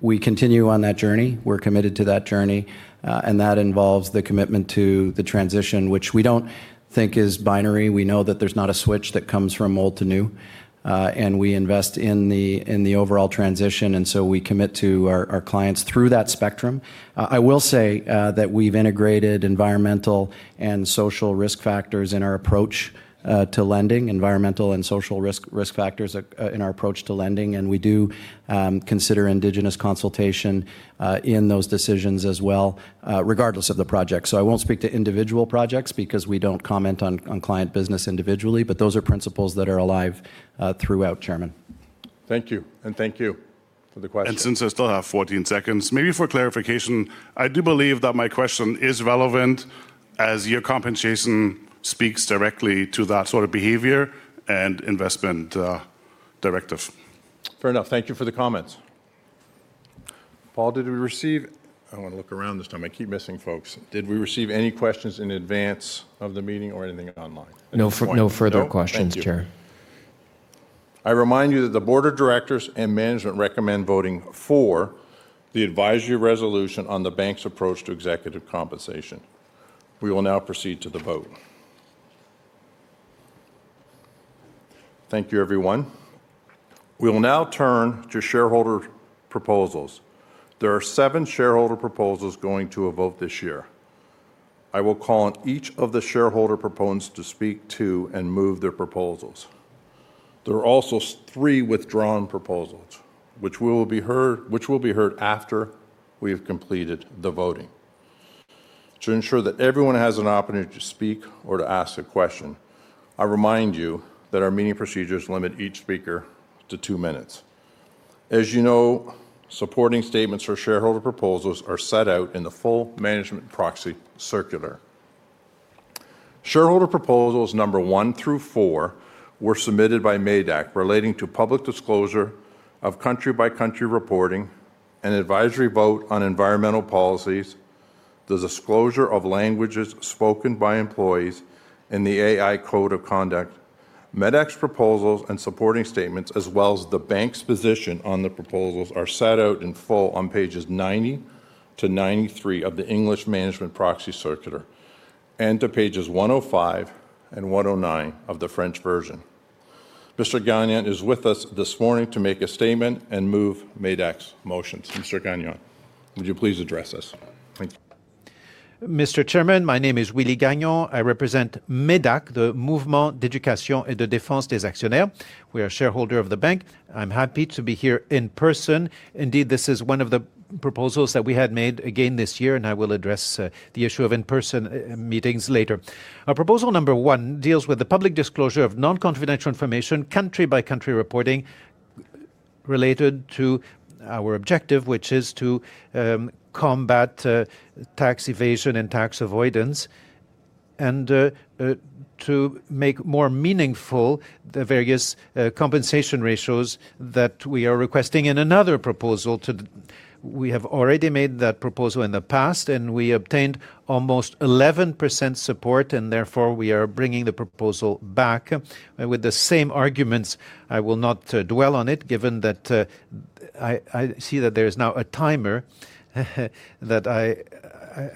[SPEAKER 4] We continue on that journey. We're committed to that journey, and that involves the commitment to the transition, which we do not think is binary. We know that there's not a switch that comes from old to new, and we invest in the overall transition, and so we commit to our clients through that spectrum. I will say that we've integrated environmental and social risk factors in our approach to lending, environmental and social risk factors in our approach to lending, and we do consider Indigenous consultation in those decisions as well, regardless of the project. I won't speak to individual projects because we don't comment on client business individually, but those are principles that are alive throughout, Chairman.
[SPEAKER 1] Thank you, and thank you for the question. Since I still have 14 seconds, maybe for clarification, I do believe that my question is relevant as your compensation speaks directly to that sort of behavior and investment directive. Fair enough. Thank you for the comments. Paul, did we receive? I want to look around this time. I keep missing folks. Did we receive any questions in advance of the meeting or anything online?
[SPEAKER 3] No further questions, Chair.
[SPEAKER 1] I remind you that the board of directors and management recommend voting for the advisory resolution on the bank's approach to executive compensation. We will now proceed to the vote. Thank you, everyone. We will now turn to shareholder proposals. There are seven shareholder proposals going to a vote this year. I will call on each of the shareholder proponents to speak to and move their proposals. There are also three withdrawn proposals, which will be heard after we have completed the voting. To ensure that everyone has an opportunity to speak or to ask a question, I remind you that our meeting procedures limit each speaker to two minutes. As you know, supporting statements for shareholder proposals are set out in the full management proxy circular. Shareholder proposals number one through four were submitted by MEDAC relating to public disclosure of country-by-country reporting, an advisory vote on environmental policies, the disclosure of languages spoken by employees, and the AI Code of Conduct. MEDAC's proposals and supporting statements, as well as the bank's position on the proposals, are set out in full on pages 90 to 93 of the English Management Proxy Circular and on pages 105 and 109 of the French version. Mr. Gagnon is with us this morning to make a statement and move MEDAC's motions. Mr. Gagnon, would you please address us? Thank you.
[SPEAKER 8] Mr. Chairman, my name is Willy Gagnon. I represent MEDAC, the Movement d'Éducation et de Défense des Actionnaires. We are shareholders of the bank. I'm happy to be here in person. Indeed, this is one of the proposals that we had made again this year, and I will address the issue of in-person meetings later. Our proposal number one deals with the public disclosure of non-confidential information, country-by-country reporting related to our objective, which is to combat tax evasion and tax avoidance and to make more meaningful the various compensation ratios that we are requesting in another proposal. We have already made that proposal in the past, and we obtained almost 11% support, and therefore we are bringing the proposal back with the same arguments. I will not dwell on it, given that I see that there is now a timer that I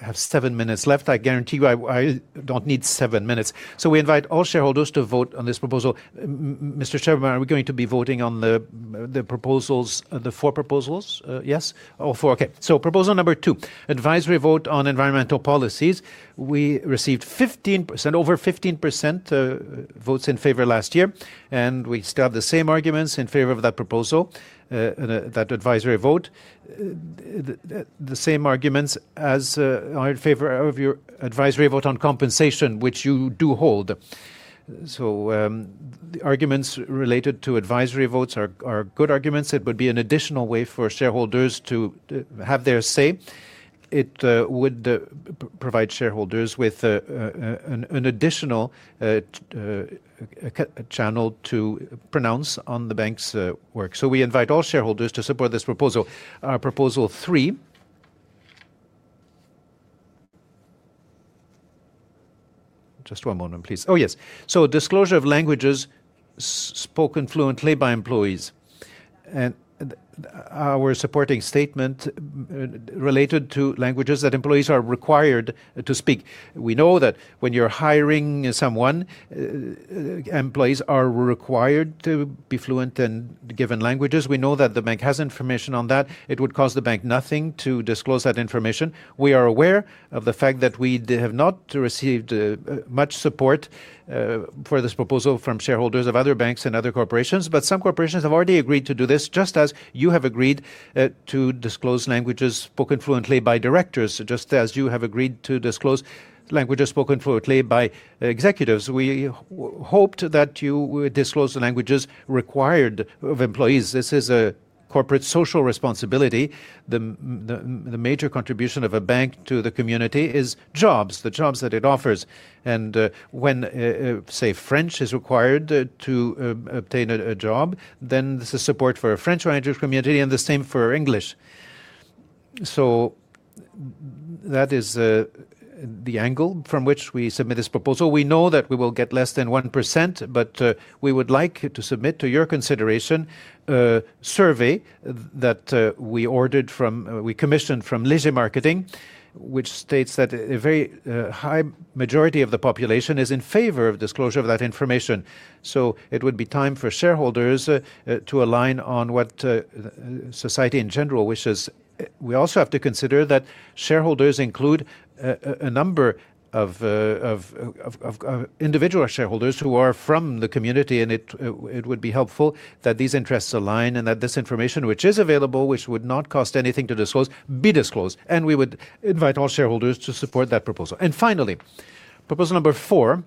[SPEAKER 8] have seven minutes left. I guarantee you I don't need seven minutes. We invite all shareholders to vote on this proposal. Mr. Chairman, are we going to be voting on the proposals, the four proposals? Yes? All four? Okay. Proposal number two, advisory vote on environmental policies. We received 15%, over 15% votes in favor last year, and we still have the same arguments in favor of that proposal, that advisory vote. The same arguments as in favor of your advisory vote on compensation, which you do hold. The arguments related to advisory votes are good arguments. It would be an additional way for shareholders to have their say. It would provide shareholders with an additional channel to pronounce on the bank's work. We invite all shareholders to support this proposal. Our proposal three. Just one moment, please. Oh yes. Disclosure of languages spoken fluently by employees.
[SPEAKER 7] Our supporting statement related to languages that employees are required to speak. We know that when you're hiring someone, employees are required to be fluent in given languages. We know that the bank has information on that. It would cost the bank nothing to disclose that information. We are aware of the fact that we have not received much support for this proposal from shareholders of other banks and other corporations, but some corporations have already agreed to do this, just as you have agreed to disclose languages spoken fluently by directors, just as you have agreed to disclose languages spoken fluently by executives. We hoped that you would disclose the languages required of employees. This is a corporate social responsibility. The major contribution of a bank to the community is jobs, the jobs that it offers. When, say, French is required to obtain a job, this is support for a French language community and the same for English. That is the angle from which we submit this proposal. We know that we will get less than 1%, but we would like to submit to your consideration a survey that we commissioned from Léger Marketing, which states that a very high majority of the population is in favor of disclosure of that information. It would be time for shareholders to align on what society in general wishes. We also have to consider that shareholders include a number of individual shareholders who are from the community, and it would be helpful that these interests align and that this information, which is available, which would not cost anything to disclose, be disclosed. We would invite all shareholders to support that proposal.
[SPEAKER 8] Finally, proposal number four,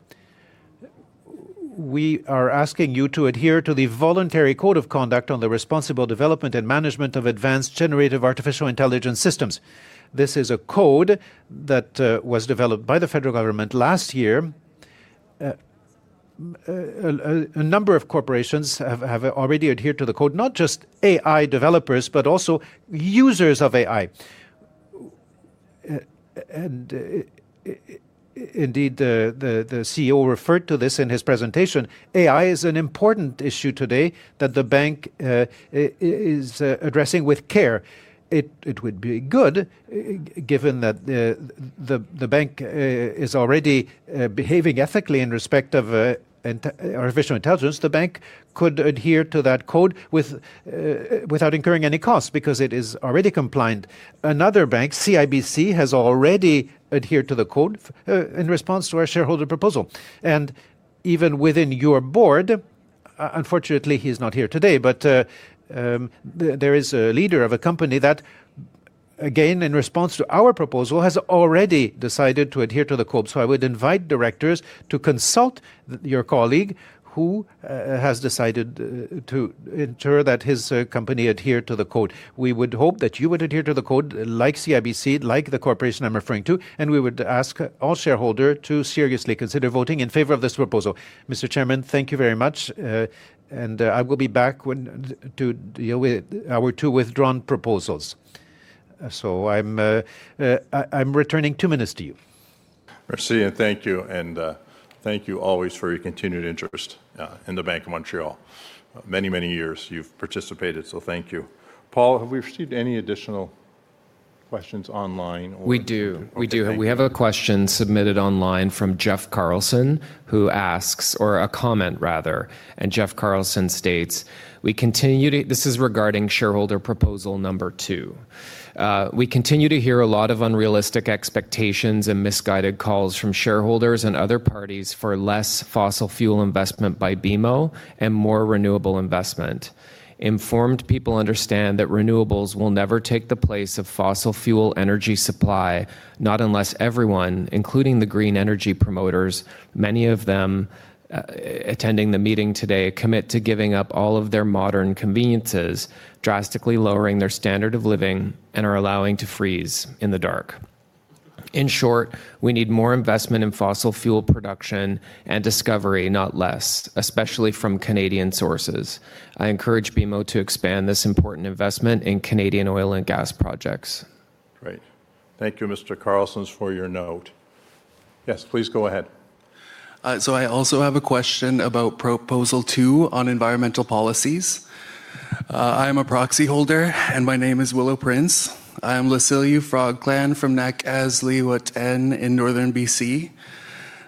[SPEAKER 8] we are asking you to adhere to the voluntary code of conduct on the responsible development and management of advanced generative artificial intelligence systems. This is a code that was developed by the federal government last year. A number of corporations have already adhered to the code, not just AI developers, but also users of AI. Indeed, the CEO referred to this in his presentation. AI is an important issue today that the bank is addressing with care. It would be good, given that the bank is already behaving ethically in respect of artificial intelligence, if the bank could adhere to that code without incurring any cost because it is already compliant. Another bank, CIBC, has already adhered to the code in response to our shareholder proposal. Even within your board, unfortunately, he is not here today, but there is a leader of a company that, again, in response to our proposal, has already decided to adhere to the code. I would invite directors to consult your colleague who has decided to ensure that his company adheres to the code. We would hope that you would adhere to the code like CIBC, like the corporation I am referring to, and we would ask all shareholders to seriously consider voting in favor of this proposal. Mr. Chairman, thank you very much, and I will be back to deal with our two withdrawn proposals. I am returning two minutes to you.
[SPEAKER 1] Merci and thank you, and thank you always for your continued interest in the Bank of Montreal. Many, many years you've participated, so thank you. Paul, have we received any additional questions online?
[SPEAKER 3] We do. We do. We have a question submitted online from Jeff Carlson, who asks, or a comment rather, and Jeff Carlson states, we continue to, this is regarding shareholder proposal number two. We continue to hear a lot of unrealistic expectations and misguided calls from shareholders and other parties for less fossil fuel investment by BMO and more renewable investment. Informed people understand that renewables will never take the place of fossil fuel energy supply, not unless everyone, including the green energy promoters, many of them attending the meeting today, commit to giving up all of their modern conveniences, drastically lowering their standard of living, and are allowing to freeze in the dark. In short, we need more investment in fossil fuel production and discovery, not less, especially from Canadian sources. I encourage BMO to expand this important investment in Canadian oil and gas projects. Great. Thank you, Mr. Carlson, for your note. Yes, please go ahead.
[SPEAKER 11] I also have a question about proposal two on environmental policies. I am a proxy holder, and my name is Willow Prince. I am Lucille U. Frogglan from NACAS, Leewitt, and in northern BC.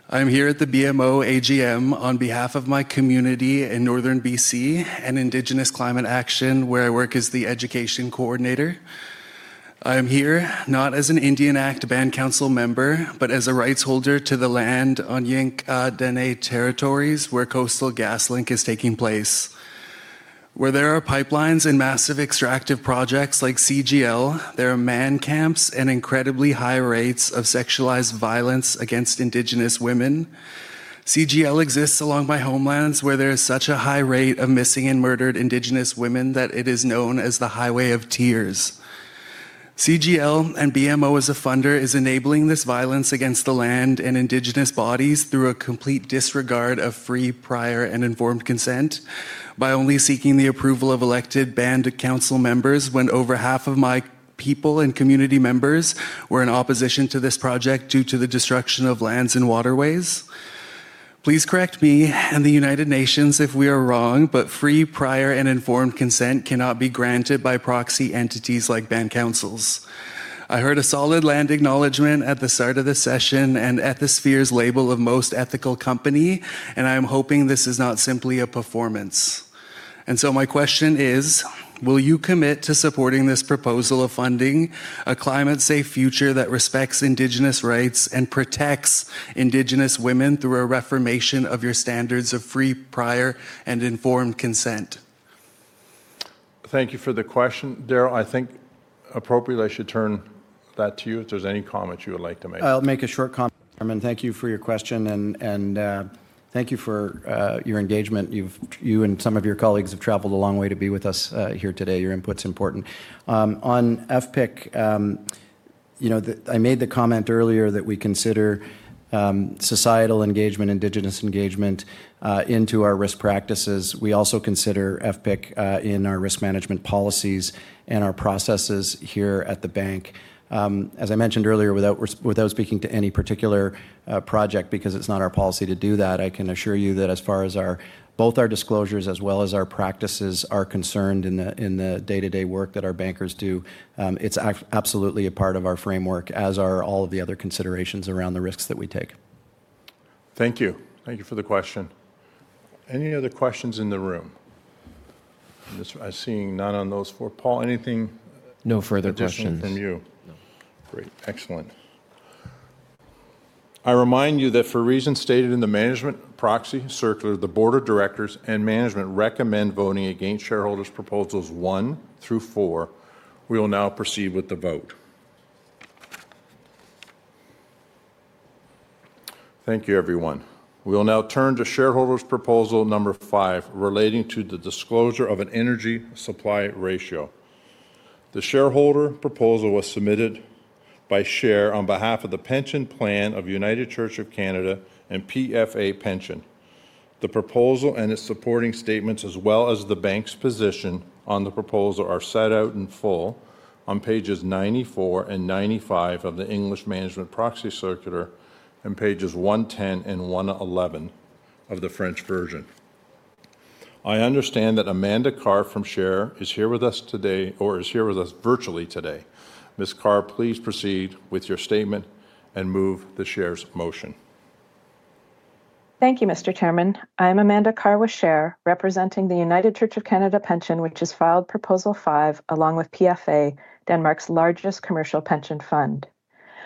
[SPEAKER 11] I'm here at the BMO AGM on behalf of my community in northern BC and Indigenous Climate Action, where I work as the education coordinator. I'm here not as an Indian Act Band Council member, but as a rights holder to the land on Yank Adene territories where Coastal GasLink is taking place. Where there are pipelines and massive extractive projects like CGL, there are man camps and incredibly high rates of sexualized violence against Indigenous women. CGL exists along my homelands where there is such a high rate of missing and murdered Indigenous women that it is known as the Highway of Tears. CGL and BMO, as a funder, is enabling this violence against the land and Indigenous bodies through a complete disregard of free, prior, and informed consent by only seeking the approval of elected Band Council members when over half of my people and community members were in opposition to this project due to the destruction of lands and waterways. Please correct me and the United Nations if we are wrong, but free, prior, and informed consent cannot be granted by proxy entities like Band Councils. I heard a solid land acknowledgment at the start of the session and at the spheres label of most ethical company, and I am hoping this is not simply a performance. My question is, will you commit to supporting this proposal of funding, a climate-safe future that respects Indigenous rights and protects Indigenous women through a reformation of your standards of free, prior, and informed consent?
[SPEAKER 1] Thank you for the question, Darryl. I think appropriately I should turn that to you if there is any comment you would like to make.
[SPEAKER 4] I'll make a short comment. Thank you for your question, and thank you for your engagement. You and some of your colleagues have traveled a long way to be with us here today. Your input's important. On FPIC, you know I made the comment earlier that we consider societal engagement, Indigenous engagement into our risk practices. We also consider FPIC in our risk management policies and our processes here at the bank. As I mentioned earlier, without speaking to any particular project, because it's not our policy to do that, I can assure you that as far as both our disclosures as well as our practices are concerned in the day-to-day work that our bankers do, it's absolutely a part of our framework, as are all of the other considerations around the risks that we take.
[SPEAKER 1] Thank you. Thank you for the question. Any other questions in the room? I'm seeing none on those four. Paul, anything?
[SPEAKER 3] No further questions.
[SPEAKER 1] Questions from you?
[SPEAKER 3] No.
[SPEAKER 1] Great. Excellent. I remind you that for reasons stated in the Management Proxy Circular, the Board of Directors and Management recommend voting against shareholders' proposals one through four. We will now proceed with the vote. Thank you, everyone. We will now turn to shareholders' proposal number five relating to the disclosure of an energy supply ratio. The shareholder proposal was submitted by Share on behalf of the Pension Plan of United Church of Canada and PFA Pension. The proposal and its supporting statements, as well as the bank's position on the proposal, are set out in full on pages 94 and 95 of the English Management Proxy Circular and pages 110 and 111 of the French version. I understand that Amanda Carr from Share is here with us today or is here with us virtually today. Ms. Carr, please proceed with your statement and move the Share's motion.
[SPEAKER 12] Thank you, Mr. Chairman. I am Amanda Carr with Share, representing the United Church of Canada Pension, which has filed proposal five along with PFA, Denmark's largest commercial pension fund.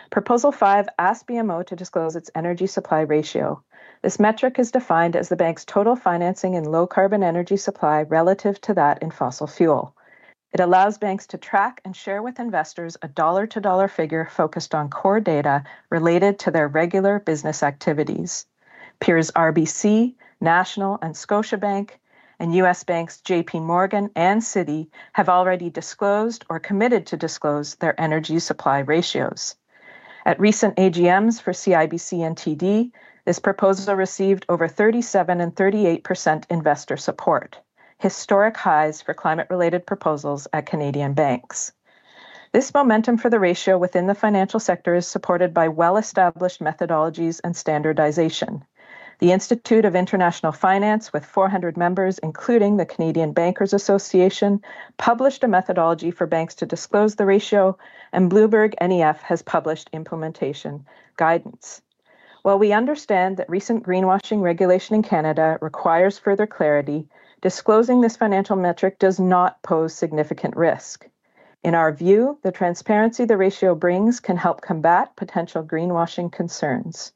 [SPEAKER 12] Proposal five asks BMO to disclose its energy supply ratio. This metric is defined as the bank's total financing in low carbon energy supply relative to that in fossil fuel. It allows banks to track and share with investors a dollar-to-dollar figure focused on core data related to their regular business activities. Peers RBC, National and Scotiabank, and US banks JP Morgan and Citi have already disclosed or committed to disclose their energy supply ratios. At recent AGMs for CIBC and TD, this proposal received over 37% and 38% investor support, historic highs for climate-related proposals at Canadian banks. This momentum for the ratio within the financial sector is supported by well-established methodologies and standardization. The Institute of International Finance, with 400 members, including the Canadian Bankers Association, published a methodology for banks to disclose the ratio, and Bloomberg NEF has published implementation guidance. While we understand that recent greenwashing regulation in Canada requires further clarity, disclosing this financial metric does not pose significant risk. In our view, the transparency the ratio brings can help combat potential greenwashing concerns.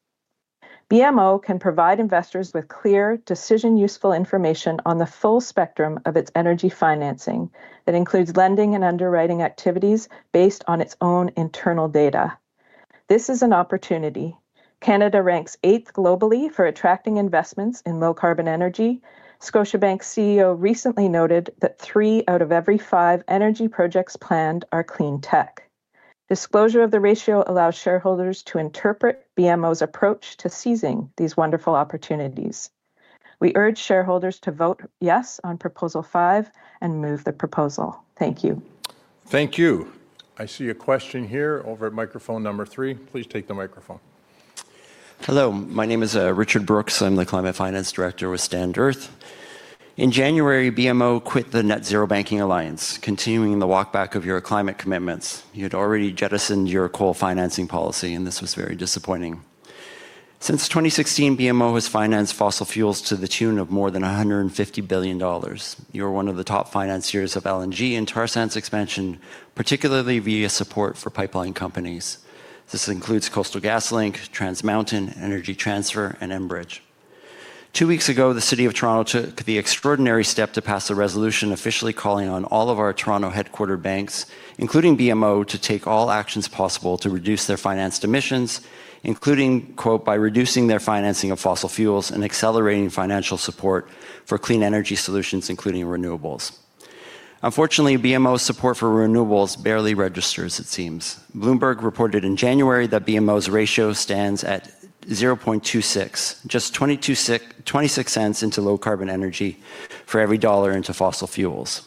[SPEAKER 12] BMO can provide investors with clear, decision-useful information on the full spectrum of its energy financing that includes lending and underwriting activities based on its own internal data. This is an opportunity. Canada ranks eighth globally for attracting investments in low carbon energy. Scotiabank's CEO recently noted that three out of every five energy projects planned are clean tech. Disclosure of the ratio allows shareholders to interpret BMO's approach to seizing these wonderful opportunities. We urge shareholders to vote yes on proposal five and move the proposal. Thank you.
[SPEAKER 1] Thank you. I see a question here over at microphone number three. Please take the microphone.
[SPEAKER 13] Hello. My name is Richard Brooks. I'm the Climate Finance Director with Stand.earth. In January, BMO quit the Net Zero Banking Alliance, continuing the walkback of your climate commitments. You had already jettisoned your coal financing policy, and this was very disappointing. Since 2016, BMO has financed fossil fuels to the tune of more than 150 billion dollars. You are one of the top financiers of LNG and tar sands expansion, particularly via support for pipeline companies. This includes Coastal GasLink, Trans Mountain, Energy Transfer, and Enbridge. Two weeks ago, the City of Toronto took the extraordinary step to pass a resolution officially calling on all of our Toronto headquartered banks, including BMO, to take all actions possible to reduce their financed emissions, including "by reducing their financing of fossil fuels and accelerating financial support for clean energy solutions, including renewables." Unfortunately, BMO's support for renewables barely registers, it seems. Bloomberg reported in January that BMO's ratio stands at 0.26, just $0.26 into low carbon energy for every dollar into fossil fuels.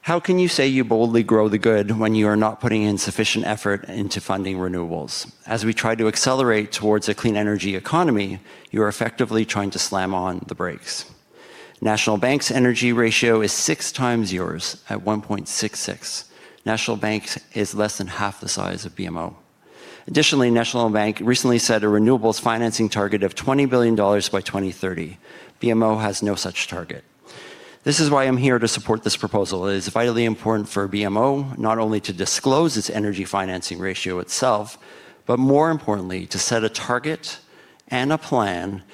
[SPEAKER 13] How can you say you boldly grow the good when you are not putting in sufficient effort into funding renewables? As we try to accelerate towards a clean energy economy, you are effectively trying to slam on the brakes. National Bank's energy ratio is six times yours at 1.66. National Bank is less than half the size of BMO. Additionally, National Bank recently set a renewables financing target of 20 billion dollars by 2030. BMO has no such target. This is why I'm here to support this proposal. It is vitally important for BMO not only to disclose its energy financing ratio itself, but more importantly, to set a target and a plan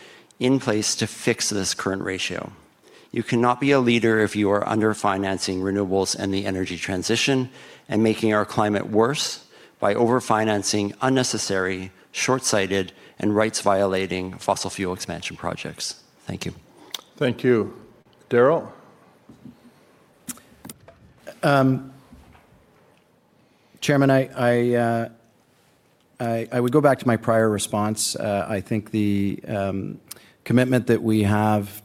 [SPEAKER 13] in place to fix this current ratio. You cannot be a leader if you are underfinancing renewables and the energy transition and making our climate worse by overfinancing unnecessary, short-sighted, and rights-violating fossil fuel expansion projects. Thank you.
[SPEAKER 1] Thank you. Darryl?
[SPEAKER 4] Chairman, I would go back to my prior response. I think the commitment that we have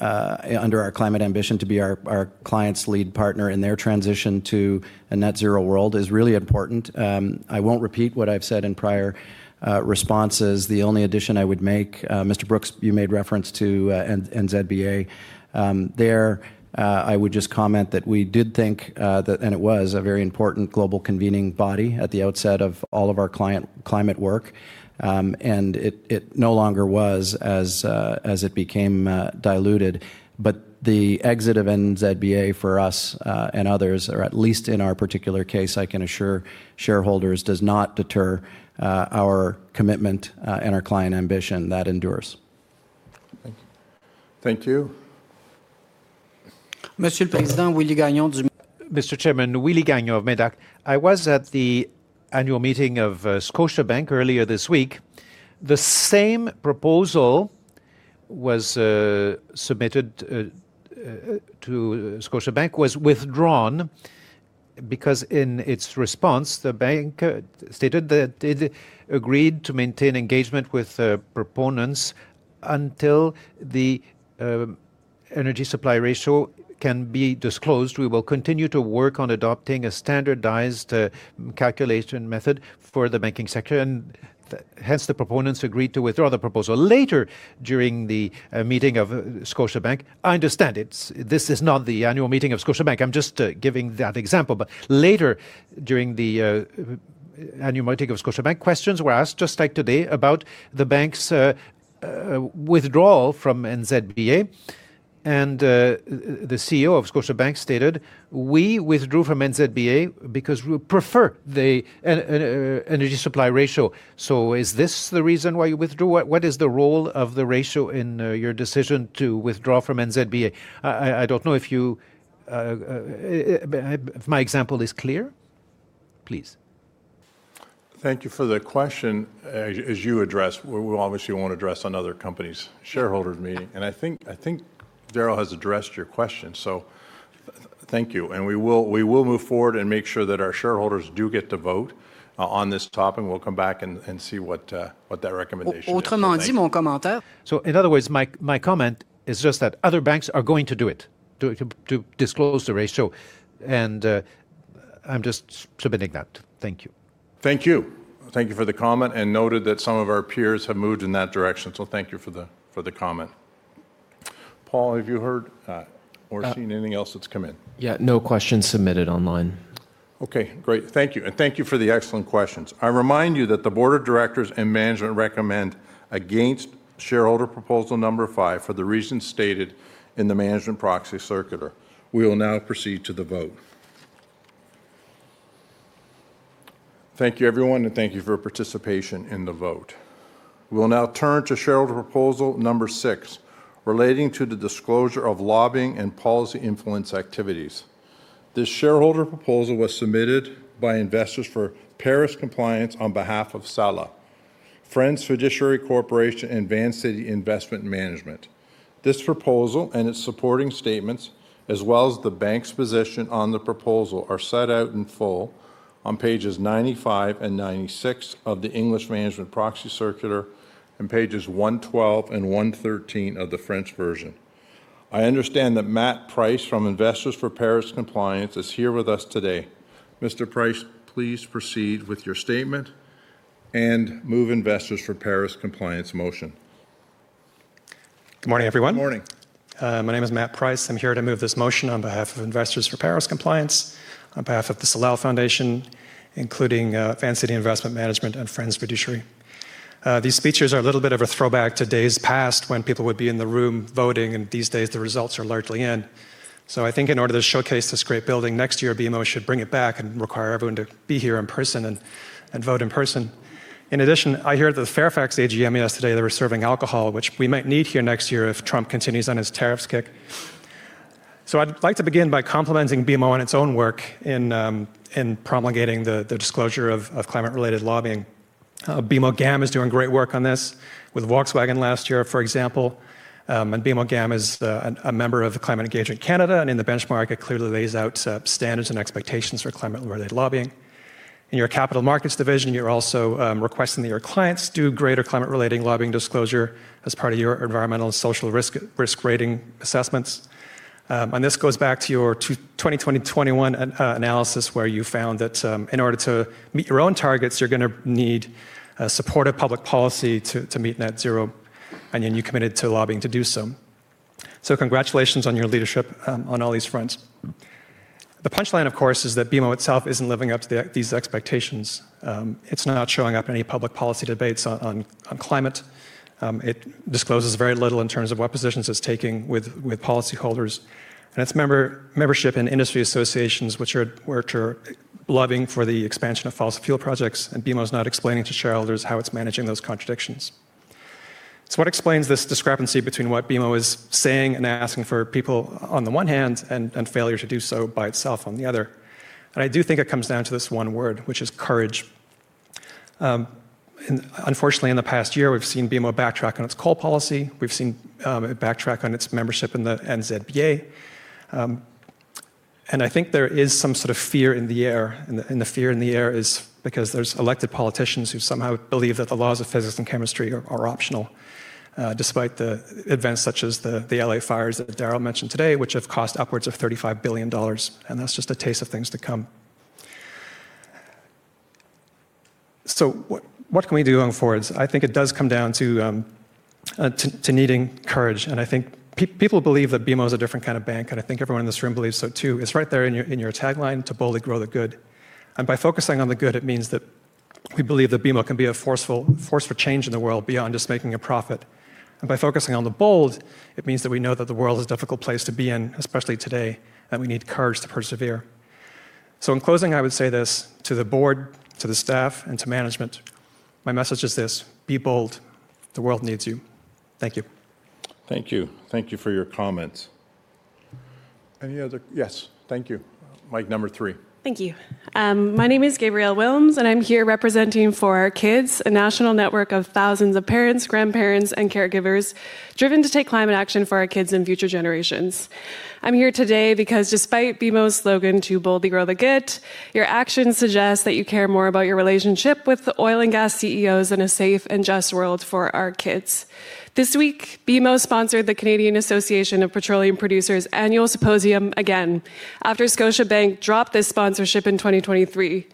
[SPEAKER 4] under our climate ambition to be our client's lead partner in their transition to a net zero world is really important. I won't repeat what I've said in prior responses. The only addition I would make, Mr. Brooks, you made reference to NZBA. There, I would just comment that we did think, and it was, a very important global convening body at the outset of all of our climate work, and it no longer was as it became diluted. The exit of NZBA for us and others, or at least in our particular case, I can assure shareholders, does not deter our commitment and our client ambition that endures.
[SPEAKER 1] Thank you. Thank you.
[SPEAKER 8] Mr. Chairman, Willy Gagnon, MEDAC. I was at the annual meeting of Scotiabank earlier this week. The same proposal was submitted to Scotiabank was withdrawn because in its response, the bank stated that it agreed to maintain engagement with proponents until the energy supply ratio can be disclosed. We will continue to work on adopting a standardized calculation method for the banking sector, and hence the proponents agreed to withdraw the proposal later during the meeting of Scotiabank. I understand this is not the annual meeting of Scotiabank. I'm just giving that example. Later during the annual meeting of Scotiabank, questions were asked, just like today, about the bank's withdrawal from NZBA. The CEO of Scotiabank stated, "We withdrew from NZBA because we prefer the energy supply ratio." Is this the reason why you withdrew? What is the role of the ratio in your decision to withdraw from NZBA? I don't know if my example is clear. Please.
[SPEAKER 1] Thank you for the question. As you address, we obviously won't address another company's shareholders' meeting. I think Darryl has addressed your question. Thank you. We will move forward and make sure that our shareholders do get to vote on this topic. We'll come back and see what that recommendation is.
[SPEAKER 8] Autrement dit, mon commentaire. In other words, my comment is just that other banks are going to do it to disclose the ratio. I'm just submitting that. Thank you.
[SPEAKER 1] Thank you. Thank you for the comment and noted that some of our peers have moved in that direction. Thank you for the comment. Paul, have you heard or seen anything else that's come in?
[SPEAKER 3] Yeah, no questions submitted online.
[SPEAKER 1] Okay, great. Thank you. Thank you for the excellent questions. I remind you that the Board of Directors and Management recommend against shareholder proposal number five for the reasons stated in the Management Proxy Circular. We will now proceed to the vote. Thank you, everyone, and thank you for participation in the vote. We will now turn to shareholder proposal number six relating to the disclosure of lobbying and policy influence activities. This shareholder proposal was submitted by Investors for Paris Compliance on behalf of SALA, Friends Fiduciary Corporation, and Van City Investment Management. This proposal and its supporting statements, as well as the bank's position on the proposal, are set out in full on pages 95 and 96 of the English Management Proxy Circular and pages 112 and 113 of the French version. I understand that Matt Price from Investors for Paris Compliance is here with us today. Mr. Price, please proceed with your statement and move Investors for Paris Compliance motion.
[SPEAKER 14] Good morning, everyone. Morning. My name is Matt Price. I'm here to move this motion on behalf of Investors for Paris Compliance, on behalf of the Salao Foundation, including Van City Investment Management and Friends Fiduciary. These speeches are a little bit of a throwback to days past when people would be in the room voting, and these days the results are largely in. I think in order to showcase this great building next year, BMO should bring it back and require everyone to be here in person and vote in person. In addition, I hear that the Fairfax AGM yesterday, they were serving alcohol, which we might need here next year if Trump continues on his tariffs kick. I'd like to begin by complimenting BMO on its own work in promulgating the disclosure of climate-related lobbying. BMO GAM is doing great work on this with Volkswagen last year, for example. BMO GAM is a member of Climate Engagement Canada and in the benchmark, it clearly lays out standards and expectations for climate-related lobbying. In your Capital Markets division, you're also requesting that your clients do greater climate-related lobbying disclosure as part of your environmental and social risk risk rating assessments. This goes back to your 2020-2021 analysis where you found that in order to meet your own targets, you're going to need supportive public policy to meet net zero, and then you committed to lobbying to do so. Congratulations on your leadership on all these fronts. The punchline, of course, is that BMO itself isn't living up to these expectations. It's not showing up in any public policy debates on climate. It discloses very little in terms of what positions it's taking with policyholders and its membership in industry associations, which are lobbying for the expansion of fossil fuel projects, and BMO is not explaining to shareholders how it's managing those contradictions. What explains this discrepancy between what BMO is saying and asking for people on the one hand and failure to do so by itself on the other? I do think it comes down to this one word, which is courage. Unfortunately, in the past year, we've seen BMO backtrack on its coal policy. We've seen it backtrack on its membership in the NZBA. I think there is some sort of fear in the air, and the fear in the air is because there's elected politicians who somehow believe that the laws of physics and chemistry are optional, despite the events such as the Los Angeles fires that Darryl mentioned today, which have cost upwards of $35 billion. That's just a taste of things to come. What can we do going forward? I think it does come down to needing courage. I think people believe that BMO is a different kind of bank, and I think everyone in this room believes so too. It's right there in your tagline to boldly grow the good. By focusing on the good, it means that we believe that BMO can be a force for change in the world beyond just making a profit. By focusing on the bold, it means that we know that the world is a difficult place to be in, especially today, and we need courage to persevere. In closing, I would say this to the board, to the staff, and to management. My message is this: be bold. The world needs you. Thank you.
[SPEAKER 1] Thank you. Thank you for your comments. Any other? Yes. Thank you. Mic number three.
[SPEAKER 15] Thank you. My name is Gabrielle Wilms, and I'm here representing For Our Kids, a national network of thousands of parents, grandparents, and caregivers driven to take climate action for our kids and future generations. I'm here today because despite BMO's slogan to boldly grow the good, your actions suggest that you care more about your relationship with the oil and gas CEOs than a safe and just world for our kids. This week, BMO sponsored the Canadian Association of Petroleum Producers' annual symposium again after Scotiabank dropped this sponsorship in 2023.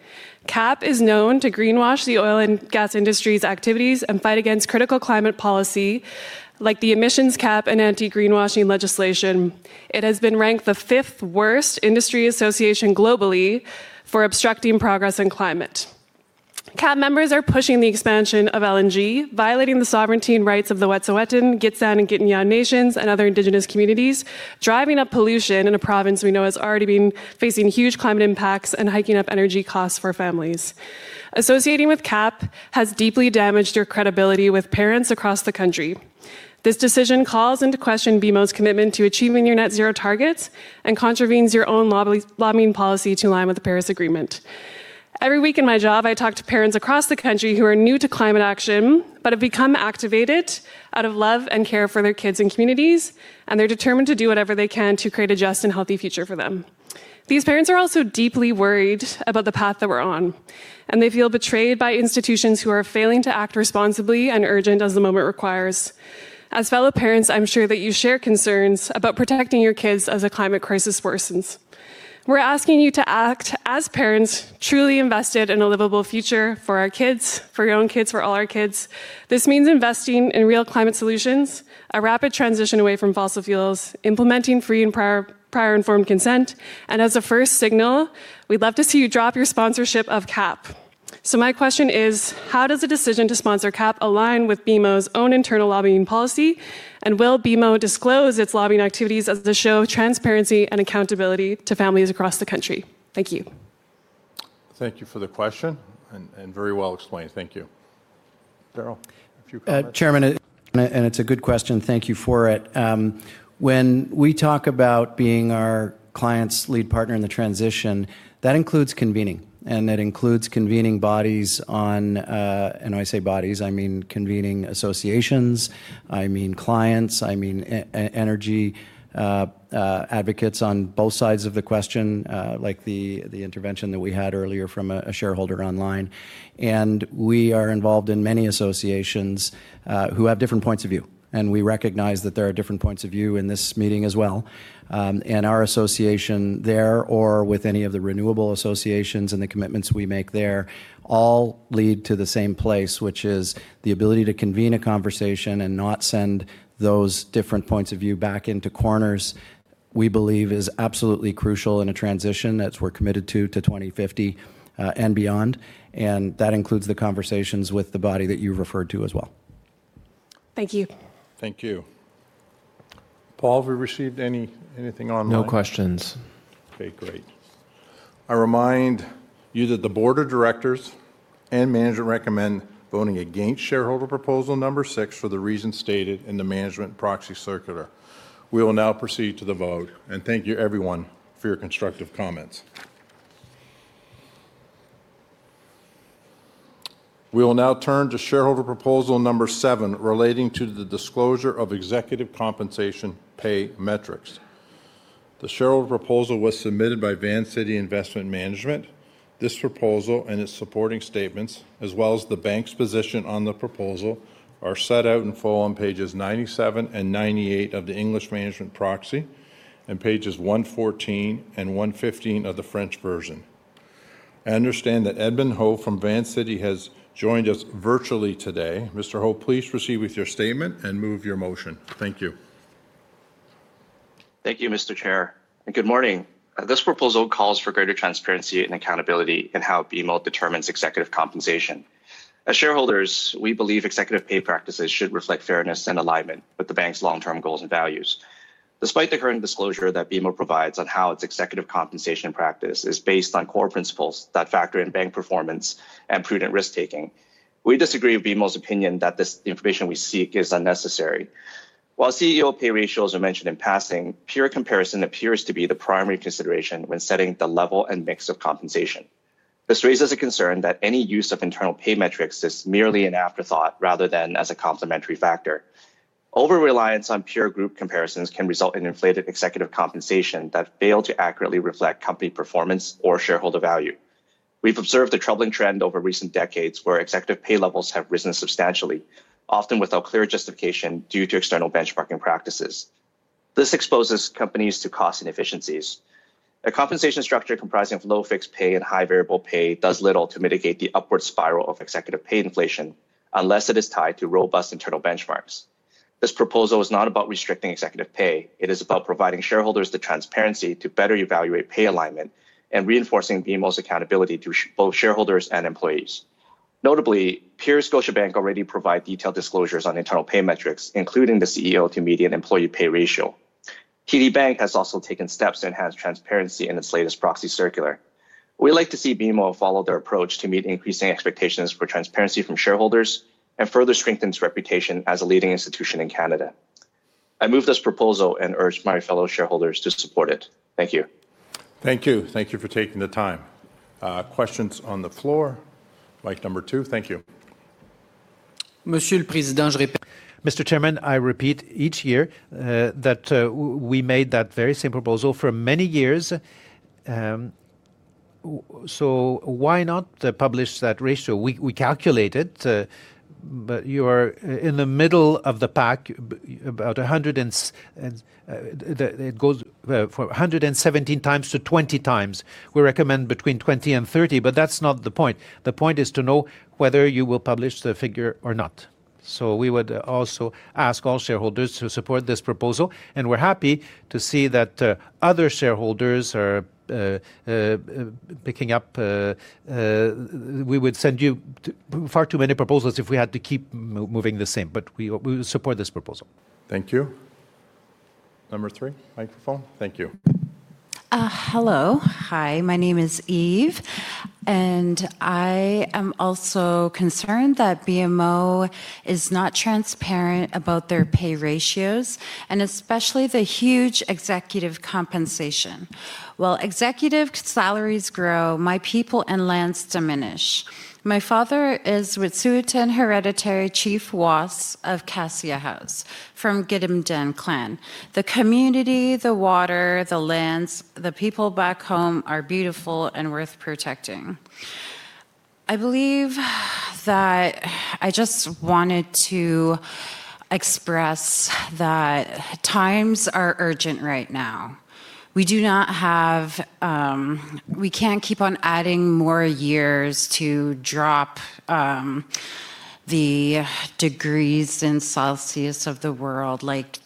[SPEAKER 15] CAP is known to greenwash the oil and gas industry's activities and fight against critical climate policy like the emissions cap and anti-greenwashing legislation. It has been ranked the fifth worst industry association globally for obstructing progress in climate. CAP members are pushing the expansion of LNG, violating the sovereignty and rights of the Wet'suwet'en, Gitxan, and Gitignan nations, and other Indigenous communities, driving up pollution in a province we know has already been facing huge climate impacts and hiking up energy costs for families. Associating with CAP has deeply damaged your credibility with parents across the country. This decision calls into question BMO's commitment to achieving your net zero targets and contravenes your own lobbying policy to align with the Paris Agreement. Every week in my job, I talk to parents across the country who are new to climate action but have become activated out of love and care for their kids and communities, and they're determined to do whatever they can to create a just and healthy future for them. These parents are also deeply worried about the path that we're on, and they feel betrayed by institutions who are failing to act responsibly and urgent as the moment requires. As fellow parents, I'm sure that you share concerns about protecting your kids as the climate crisis worsens. We're asking you to act as parents truly invested in a livable future for our kids, for your own kids, for all our kids. This means investing in real climate solutions, a rapid transition away from fossil fuels, implementing free and prior informed consent. As a first signal, we'd love to see you drop your sponsorship of CAP. My question is, how does the decision to sponsor CAP align with BMO's own internal lobbying policy, and will BMO disclose its lobbying activities as they show transparency and accountability to families across the country? Thank you.
[SPEAKER 1] Thank you for the question and very well explained. Thank you. Darryl.
[SPEAKER 4] Chairman, and it's a good question. Thank you for it. When we talk about being our client's lead partner in the transition, that includes convening, and that includes convening bodies on, and when I say bodies, I mean convening associations, I mean clients, I mean energy advocates on both sides of the question, like the intervention that we had earlier from a shareholder online. We are involved in many associations who have different points of view, and we recognize that there are different points of view in this meeting as well. Our association there or with any of the renewable associations and the commitments we make there all lead to the same place, which is the ability to convene a conversation and not send those different points of view back into corners, we believe is absolutely crucial in a transition that we're committed to to 2050 and beyond. That includes the conversations with the body that you referred to as well.
[SPEAKER 15] Thank you.
[SPEAKER 1] Thank you. Paul, have we received anything online?
[SPEAKER 3] No questions.
[SPEAKER 1] Okay, great. I remind you that the Board of Directors and Management recommend voting against shareholder proposal number six for the reasons stated in the Management Proxy Circular. We will now proceed to the vote, and thank you, everyone, for your constructive comments. We will now turn to shareholder proposal number seven relating to the disclosure of executive compensation pay metrics. The shareholder proposal was submitted by Van City Investment Management. This proposal and its supporting statements, as well as the bank's position on the proposal, are set out in full on pages 97 and 98 of the English Management Proxy and pages 114 and 115 of the French version. I understand that Edmund Ho from Van City has joined us virtually today. Mr. Ho, please proceed with your statement and move your motion. Thank you.
[SPEAKER 16] Thank you, Mr. Chair. Good morning. This proposal calls for greater transparency and accountability in how BMO determines executive compensation. As shareholders, we believe executive pay practices should reflect fairness and alignment with the bank's long-term goals and values. Despite the current disclosure that BMO provides on how its executive compensation practice is based on core principles that factor in bank performance and prudent risk-taking, we disagree with BMO's opinion that this information we seek is unnecessary. While CEO pay ratios are mentioned in passing, peer comparison appears to be the primary consideration when setting the level and mix of compensation. This raises a concern that any use of internal pay metrics is merely an afterthought rather than as a complementary factor. Over-reliance on peer group comparisons can result in inflated executive compensation that fail to accurately reflect company performance or shareholder value. We've observed a troubling trend over recent decades where executive pay levels have risen substantially, often without clear justification due to external benchmarking practices. This exposes companies to cost inefficiencies. A compensation structure comprising of low fixed pay and high variable pay does little to mitigate the upward spiral of executive pay inflation unless it is tied to robust internal benchmarks. This proposal is not about restricting executive pay. It is about providing shareholders the transparency to better evaluate pay alignment and reinforcing BMO's accountability to both shareholders and employees. Notably, peer Scotiabank already provides detailed disclosures on internal pay metrics, including the CEO to median employee pay ratio. TD Bank has also taken steps to enhance transparency in its latest proxy circular. We'd like to see BMO follow their approach to meet increasing expectations for transparency from shareholders and further strengthen its reputation as a leading institution in Canada. I move this proposal and urge my fellow shareholders to support it. Thank you.
[SPEAKER 1] Thank you. Thank you for taking the time. Questions on the floor? Mic number two. Thank you.
[SPEAKER 8] Mr. Chairman, I repeat each year that we made that very same proposal for many years. Why not publish that ratio? We calculate it, but you are in the middle of the pack, about 100, and it goes from 117 times to 20 times. We recommend between 20 and 30, but that is not the point. The point is to know whether you will publish the figure or not. We would also ask all shareholders to support this proposal, and we are happy to see that other shareholders are picking up. We would send you far too many proposals if we had to keep moving the same, but we will support this proposal.
[SPEAKER 1] Thank you. Number three, microphone. Thank you. Hello. Hi, my name is Eve, and I am also concerned that BMO is not transparent about their pay ratios, and especially the huge executive compensation. While executive salaries grow, my people and lands diminish. My father is Wet'suwet'en Hereditary Chief Was of Kasia House from Gitemdin Clan. The community, the water, the lands, the people back home are beautiful and worth protecting. I believe that I just wanted to express that times are urgent right now. We do not have—we can't keep on adding more years to drop the degrees in Celsius of the world, like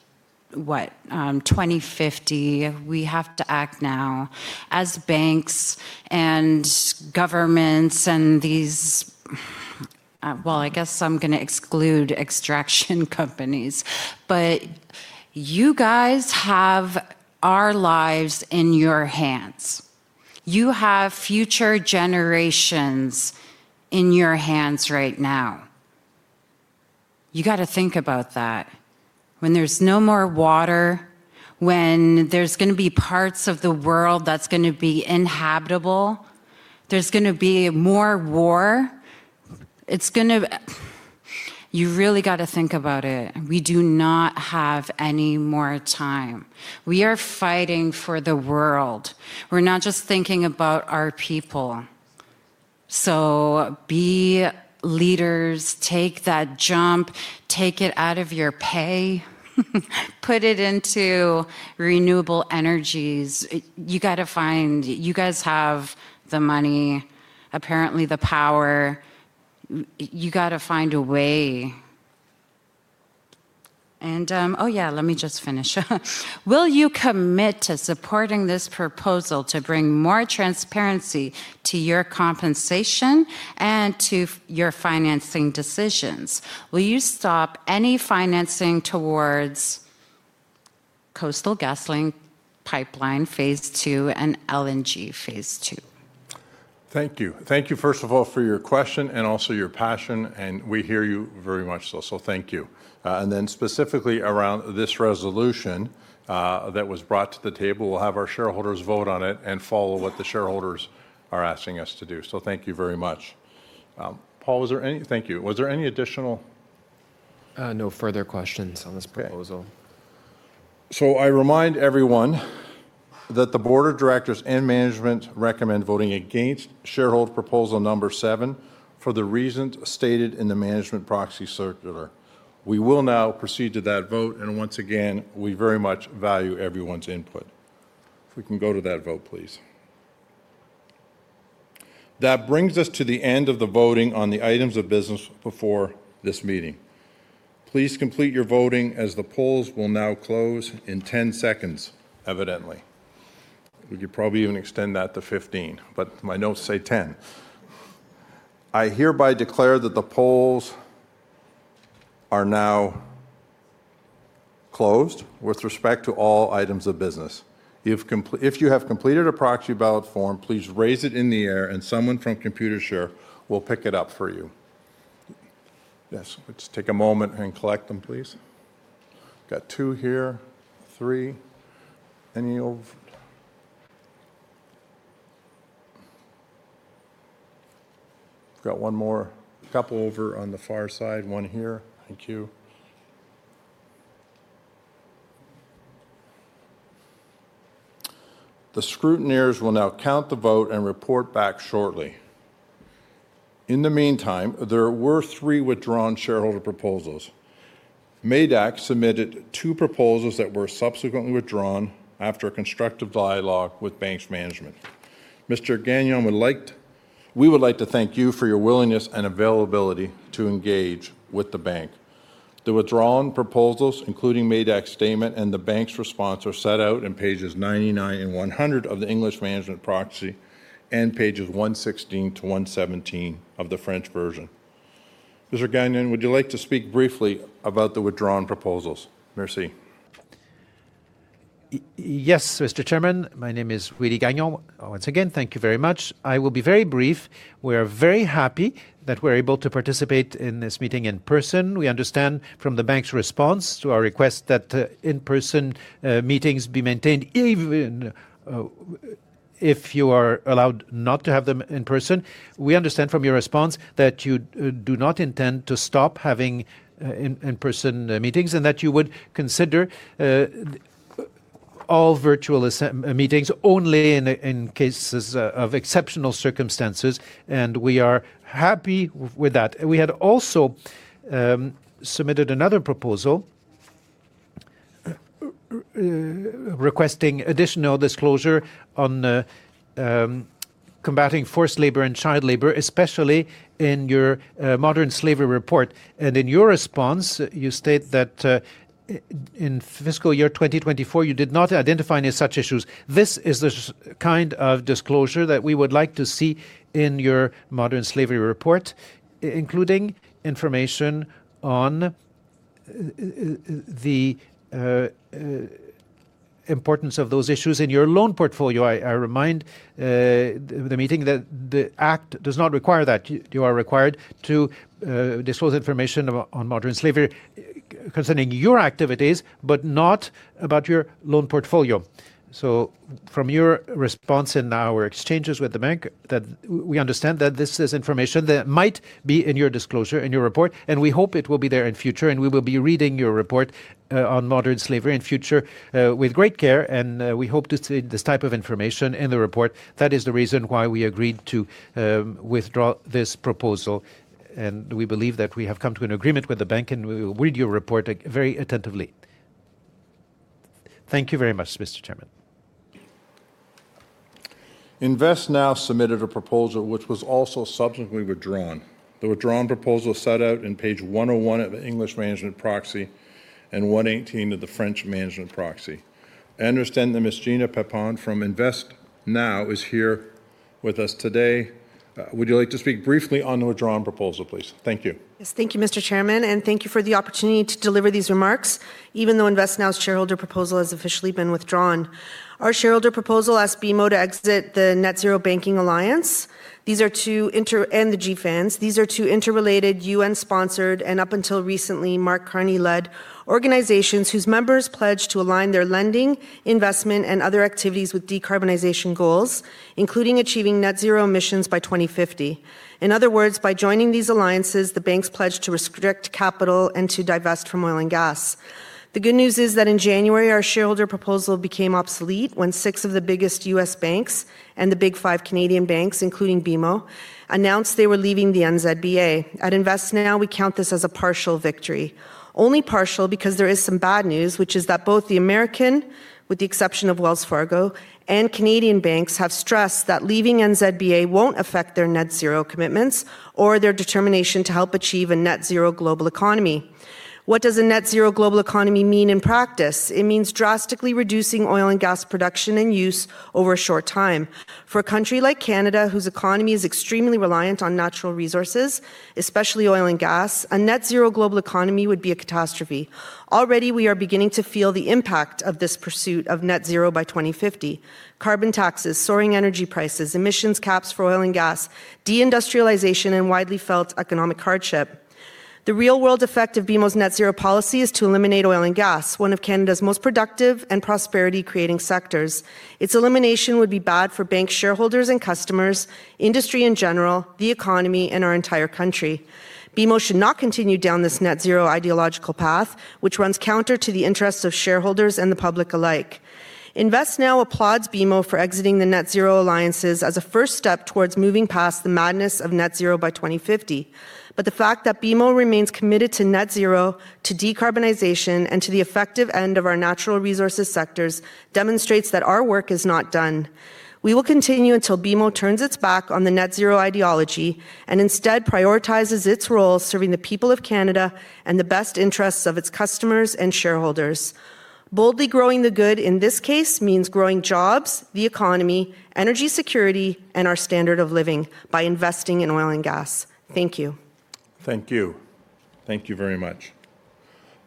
[SPEAKER 1] what? 2050. We have to act now as banks and governments and these—I guess I'm going to exclude extraction companies. You guys have our lives in your hands. You have future generations in your hands right now. You got to think about that. When there's no more water, when there's going to be parts of the world that's going to be inhabitable, there's going to be more war. You really got to think about it. We do not have any more time. We are fighting for the world. We're not just thinking about our people. Be leaders. Take that jump. Take it out of your pay. Put it into renewable energies. You got to find—you guys have the money, apparently the power. You got to find a way. Oh yeah, let me just finish. Will you commit to supporting this proposal to bring more transparency to your compensation and to your financing decisions? Will you stop any financing towards Coastal GasLink pipeline phase two and LNG phase two? Thank you. Thank you, first of all, for your question and also your passion, and we hear you very much so. Thank you. Then specifically around this resolution that was brought to the table, we will have our shareholders vote on it and follow what the shareholders are asking us to do. Thank you very much. Paul, was there any—thank you. Was there any additional?
[SPEAKER 3] No further questions on this proposal.
[SPEAKER 1] I remind everyone that the Board of Directors and Management recommend voting against shareholder proposal number seven for the reasons stated in the Management Proxy Circular. We will now proceed to that vote, and once again, we very much value everyone's input. If we can go to that vote, please. That brings us to the end of the voting on the items of business before this meeting. Please complete your voting as the polls will now close in 10 seconds, evidently. You could probably even extend that to 15, but my notes say 10. I hereby declare that the polls are now closed with respect to all items of business. If you have completed a proxy ballot form, please raise it in the air, and someone from Computershare will pick it up for you. Yes. Let's take a moment and collect them, please. Got two here, three. Any of--got one more. A couple over on the far side, one here. Thank you. The scrutineers will now count the vote and report back shortly. In the meantime, there were three withdrawn shareholder proposals. MEDAC submitted two proposals that were subsequently withdrawn after a constructive dialogue with Bank's Management. Mr. Gagnon, we would like to thank you for your willingness and availability to engage with the bank. The withdrawn proposals, including MEDAC's statement and the bank's response, are set out in pages 99 and 100 of the English Management Proxy and pages 116 to 117 of the French version. Mr. Gagnon, would you like to speak briefly about the withdrawn proposals? Merci.
[SPEAKER 8] Yes, Mr. Chairman. My name is Willy Gagnon. Once again, thank you very much. I will be very brief. We are very happy that we're able to participate in this meeting in person. We understand from the bank's response to our request that in-person meetings be maintained, even if you are allowed not to have them in person. We understand from your response that you do not intend to stop having in-person meetings and that you would consider all virtual meetings only in cases of exceptional circumstances, and we are happy with that. We had also submitted another proposal requesting additional disclosure on combating forced labor and child labor, especially in your modern slavery report. In your response, you state that in fiscal year 2024, you did not identify any such issues. This is the kind of disclosure that we would like to see in your modern slavery report, including information on the importance of those issues in your loan portfolio. I remind the meeting that the act does not require that. You are required to disclose information on modern slavery concerning your activities, but not about your loan portfolio. From your response in our exchanges with the bank, we understand that this is information that might be in your disclosure, in your report, and we hope it will be there in future. We will be reading your report on modern slavery in future with great care, and we hope to see this type of information in the report. That is the reason why we agreed to withdraw this proposal, and we believe that we have come to an agreement with the bank, and we will read your report very attentively. Thank you very much, Mr. Chairman.
[SPEAKER 1] Invest Now submitted a proposal which was also subsequently withdrawn. The withdrawn proposal is set out in page 101 of the English Management Proxy and 118 of the French Management Proxy. I understand that Ms. Gina Papin from Invest Now is here with us today. Would you like to speak briefly on the withdrawn proposal, please? Thank you.
[SPEAKER 17] Yes. Thank you, Mr. Chairman, and thank you for the opportunity to deliver these remarks, even though Invest Now's shareholder proposal has officially been withdrawn. Our shareholder proposal asked BMO to exit the Net Zero Banking Alliance. These are two inter- and the GFANs. These are two interrelated, UN-sponsored, and up until recently Mark Carney-led organizations whose members pledged to align their lending, investment, and other activities with decarbonization goals, including achieving net zero emissions by 2050. In other words, by joining these alliances, the banks pledged to restrict capital and to divest from oil and gas. The good news is that in January, our shareholder proposal became obsolete when six of the biggest US banks and the big five Canadian banks, including BMO, announced they were leaving the NZBA. At Invest Now, we count this as a partial victory. Only partial because there is some bad news, which is that both the American, with the exception of Wells Fargo, and Canadian banks have stressed that leaving NZBA won't affect their net zero commitments or their determination to help achieve a net zero global economy. What does a net zero global economy mean in practice? It means drastically reducing oil and gas production and use over a short time. For a country like Canada, whose economy is extremely reliant on natural resources, especially oil and gas, a net zero global economy would be a catastrophe. Already, we are beginning to feel the impact of this pursuit of net zero by 2050: carbon taxes, soaring energy prices, emissions caps for oil and gas, deindustrialization, and widely felt economic hardship. The real-world effect of BMO's net zero policy is to eliminate oil and gas, one of Canada's most productive and prosperity-creating sectors. Its elimination would be bad for bank shareholders and customers, industry in general, the economy, and our entire country. BMO should not continue down this net zero ideological path, which runs counter to the interests of shareholders and the public alike. Invest Now applauds BMO for exiting the net zero alliances as a first step towards moving past the madness of net zero by 2050. The fact that BMO remains committed to net zero, to decarbonization, and to the effective end of our natural resources sectors demonstrates that our work is not done. We will continue until BMO turns its back on the net zero ideology and instead prioritizes its role serving the people of Canada and the best interests of its customers and shareholders. Boldly growing the good in this case means growing jobs, the economy, energy security, and our standard of living by investing in oil and gas. Thank you.
[SPEAKER 1] Thank you. Thank you very much.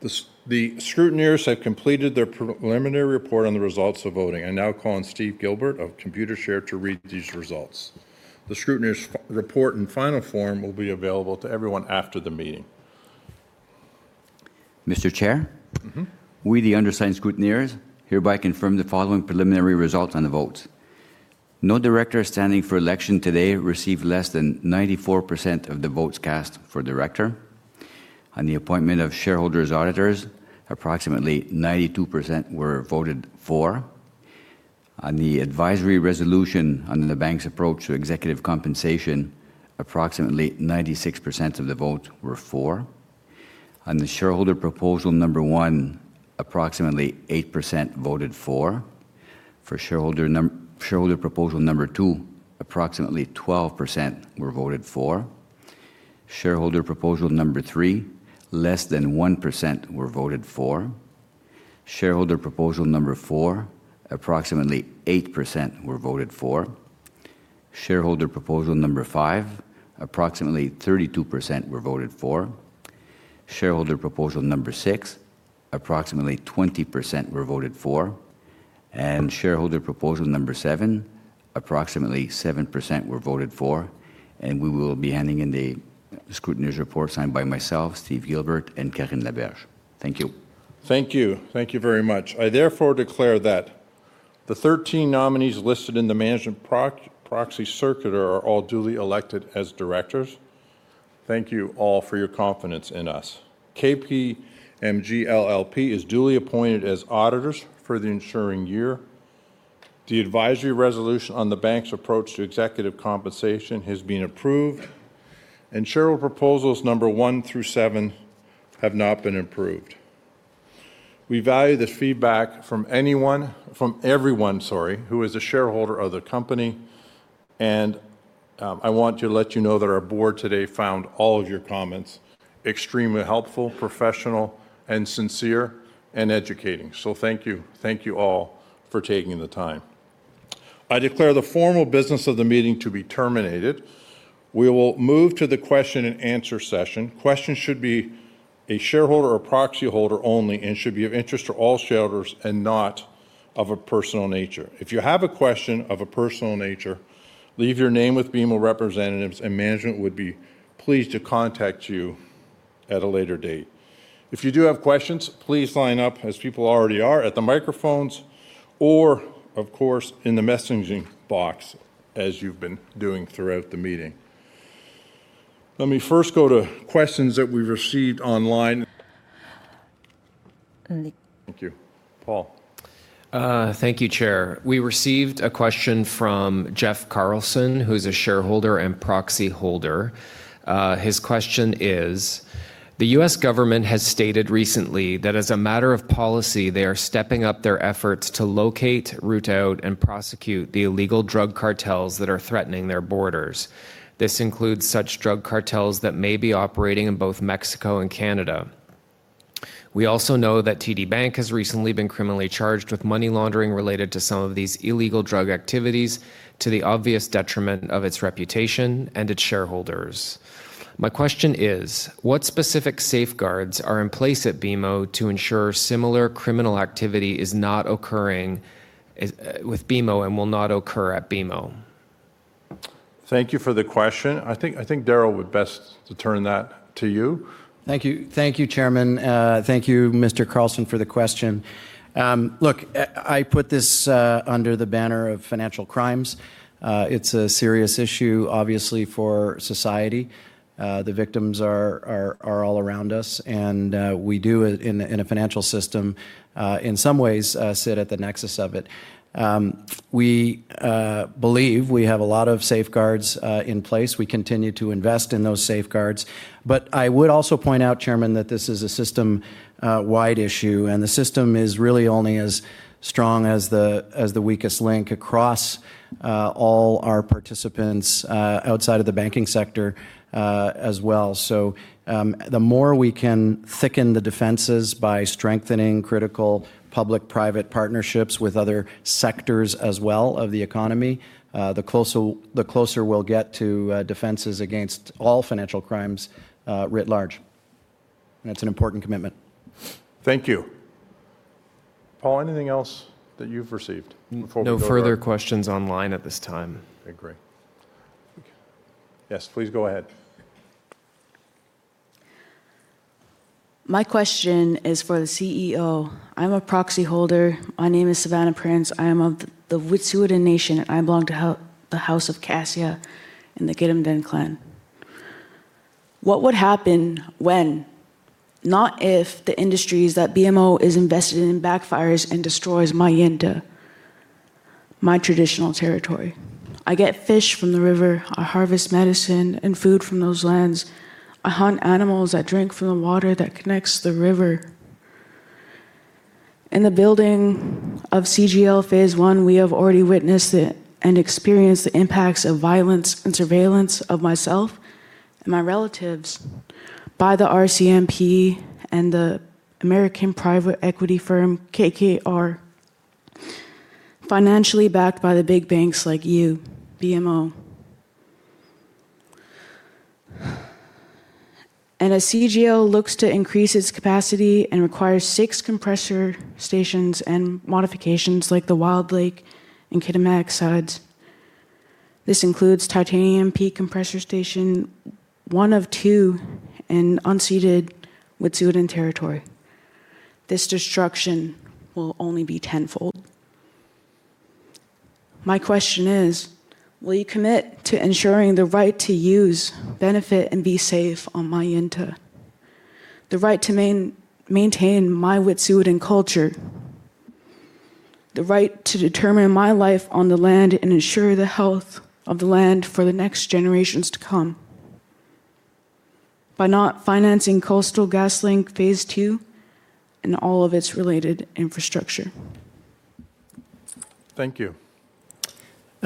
[SPEAKER 1] The scrutineers have completed their preliminary report on the results of voting. I now call on Stephen Gilbert of Computershare to read these results. The scrutineers' report in final form will be available to everyone after the meeting.
[SPEAKER 4] Mr. Chair, we the undersigned scrutineers hereby confirm the following preliminary results on the votes. No director standing for election today received less than 94% of the votes cast for director. On the appointment of shareholders' auditors, approximately 92% were voted for. On the advisory resolution on the bank's approach to executive compensation, approximately 96% of the vote were for. On the shareholder proposal number one, approximately 8% voted for. For shareholder proposal number two, approximately 12% were voted for. Shareholder proposal number three, less than 1% were voted for. Shareholder proposal number four, approximately 8% were voted for. Shareholder proposal number five, approximately 32% were voted for. Shareholder proposal number six, approximately 20% were voted for. Shareholder proposal number seven, approximately 7% were voted for. We will be handing in the scrutineers' report signed by myself, Stephen Gilbert, and Karen LaBerge. Thank you.
[SPEAKER 1] Thank you. Thank you very much. I therefore declare that the 13 nominees listed in the Management Proxy Circular are all duly elected as directors. Thank you all for your confidence in us. KPMG LLP is duly appointed as auditors for the ensuing year. The advisory resolution on the bank's approach to executive compensation has been approved, and shareholder proposals number one through seven have not been approved. We value the feedback from everyone, sorry, who is a shareholder of the company, and I want to let you know that our board today found all of your comments extremely helpful, professional, and sincere, and educating. Thank you. Thank you all for taking the time. I declare the formal business of the meeting to be terminated. We will move to the question and answer session. Questions should be a shareholder or proxy holder only and should be of interest to all shareholders and not of a personal nature. If you have a question of a personal nature, leave your name with BMO representatives, and management would be pleased to contact you at a later date. If you do have questions, please line up, as people already are, at the microphones or, of course, in the messaging box, as you've been doing throughout the meeting. Let me first go to questions that we've received online. Thank you. Paul.
[SPEAKER 3] Thank you, Chair. We received a question from Jeff Carlson, who's a shareholder and proxy holder. His question is, "The U.S. government has stated recently that as a matter of policy, they are stepping up their efforts to locate, root out, and prosecute the illegal drug cartels that are threatening their borders. This includes such drug cartels that may be operating in both Mexico and Canada. We also know that TD Bank has recently been criminally charged with money laundering related to some of these illegal drug activities to the obvious detriment of its reputation and its shareholders. My question is, what specific safeguards are in place at BMO to ensure similar criminal activity is not occurring with BMO and will not occur at BMO?
[SPEAKER 1] Thank you for the question. I think Darryl would best turn that to you.
[SPEAKER 4] Thank you. Thank you, Chairman. Thank you, Mr. Carlson, for the question. Look, I put this under the banner of financial crimes. It's a serious issue, obviously, for society. The victims are all around us, and we do, in a financial system, in some ways, sit at the nexus of it. We believe we have a lot of safeguards in place. We continue to invest in those safeguards. I would also point out, Chairman, that this is a system-wide issue, and the system is really only as strong as the weakest link across all our participants outside of the banking sector as well. The more we can thicken the defenses by strengthening critical public-private partnerships with other sectors as well of the economy, the closer we'll get to defenses against all financial crimes writ large. That's an important commitment.
[SPEAKER 1] Thank you. Paul, anything else that you've received?
[SPEAKER 3] No further questions online at this time.
[SPEAKER 1] I agree. Yes, please go ahead.
[SPEAKER 18] My question is for the CEO. I'm a proxy holder. My name is Savannah Prince. I am of the Wet'suwet'en Nation, and I belong to the House of Cassia and the Gitumden Clan. What would happen when, not if, the industries that BMO is invested in backfires and destroys my Yinta, my traditional territory? I get fish from the river. I harvest medicine and food from those lands. I hunt animals. I drink from the water that connects the river. In the building of CGL phase one, we have already witnessed it and experienced the impacts of violence and surveillance of myself and my relatives by the RCMP and the American private equity firm, KKR, financially backed by the big banks like you, BMO. As CGL looks to increase its capacity and requires six compressor stations and modifications like the Wild Lake and Kitimat sites, this includes Titanium P compressor station, one of two in unceded Wet'suwet'en territory. This destruction will only be tenfold. My question is, will you commit to ensuring the right to use, benefit, and be safe on my Yinta, the right to maintain my Wet'suwet'en culture, the right to determine my life on the land and ensure the health of the land for the next generations to come by not financing Coastal GasLink phase two and all of its related infrastructure?
[SPEAKER 1] Thank you.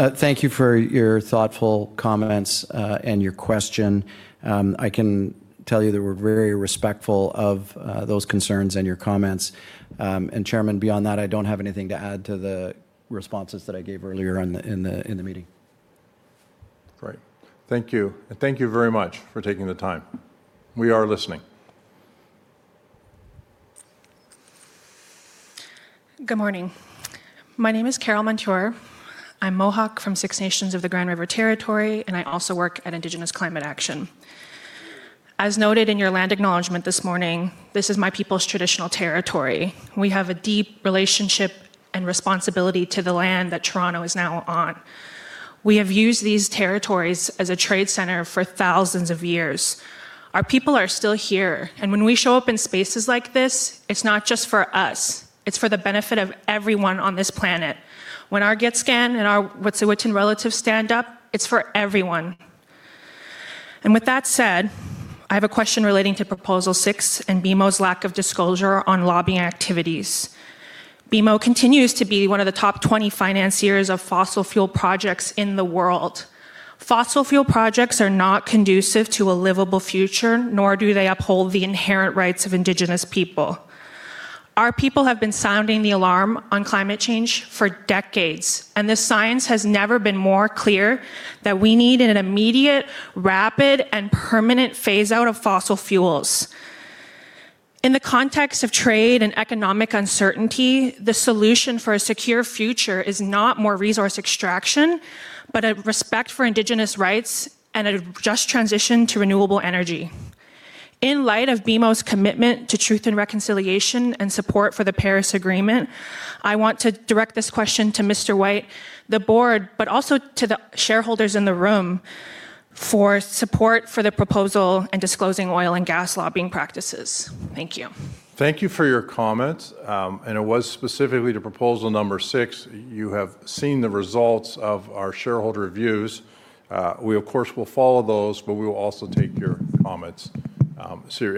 [SPEAKER 4] Thank you for your thoughtful comments and your question. I can tell you that we're very respectful of those concerns and your comments. Chairman, beyond that, I don't have anything to add to the responses that I gave earlier in the meeting.
[SPEAKER 1] All right. Thank you. Thank you very much for taking the time. We are listening.
[SPEAKER 19] Good morning. My name is Carol Montour. I'm Mohawk from Six Nations of the Grand River Territory, and I also work at Indigenous Climate Action. As noted in your land acknowledgment this morning, this is my people's traditional territory. We have a deep relationship and responsibility to the land that Toronto is now on. We have used these territories as a trade center for thousands of years. Our people are still here. When we show up in spaces like this, it's not just for us. It's for the benefit of everyone on this planet. When our Gitskan and our Wet'suwet'en relatives stand up, it's for everyone. I have a question relating to Proposal Six and BMO's lack of disclosure on lobbying activities. BMO continues to be one of the top 20 financiers of fossil fuel projects in the world. Fossil fuel projects are not conducive to a livable future, nor do they uphold the inherent rights of Indigenous people. Our people have been sounding the alarm on climate change for decades, and the science has never been more clear that we need an immediate, rapid, and permanent phase-out of fossil fuels. In the context of trade and economic uncertainty, the solution for a secure future is not more resource extraction, but a respect for Indigenous rights and a just transition to renewable energy. In light of BMO's commitment to truth and reconciliation and support for the Paris Agreement, I want to direct this question to Mr. White, the board, but also to the shareholders in the room for support for the proposal and disclosing oil and gas lobbying practices. Thank you.
[SPEAKER 1] Thank you for your comments. It was specifically to Proposal Number Six. You have seen the results of our shareholder reviews. We, of course, will follow those, but we will also take your comments.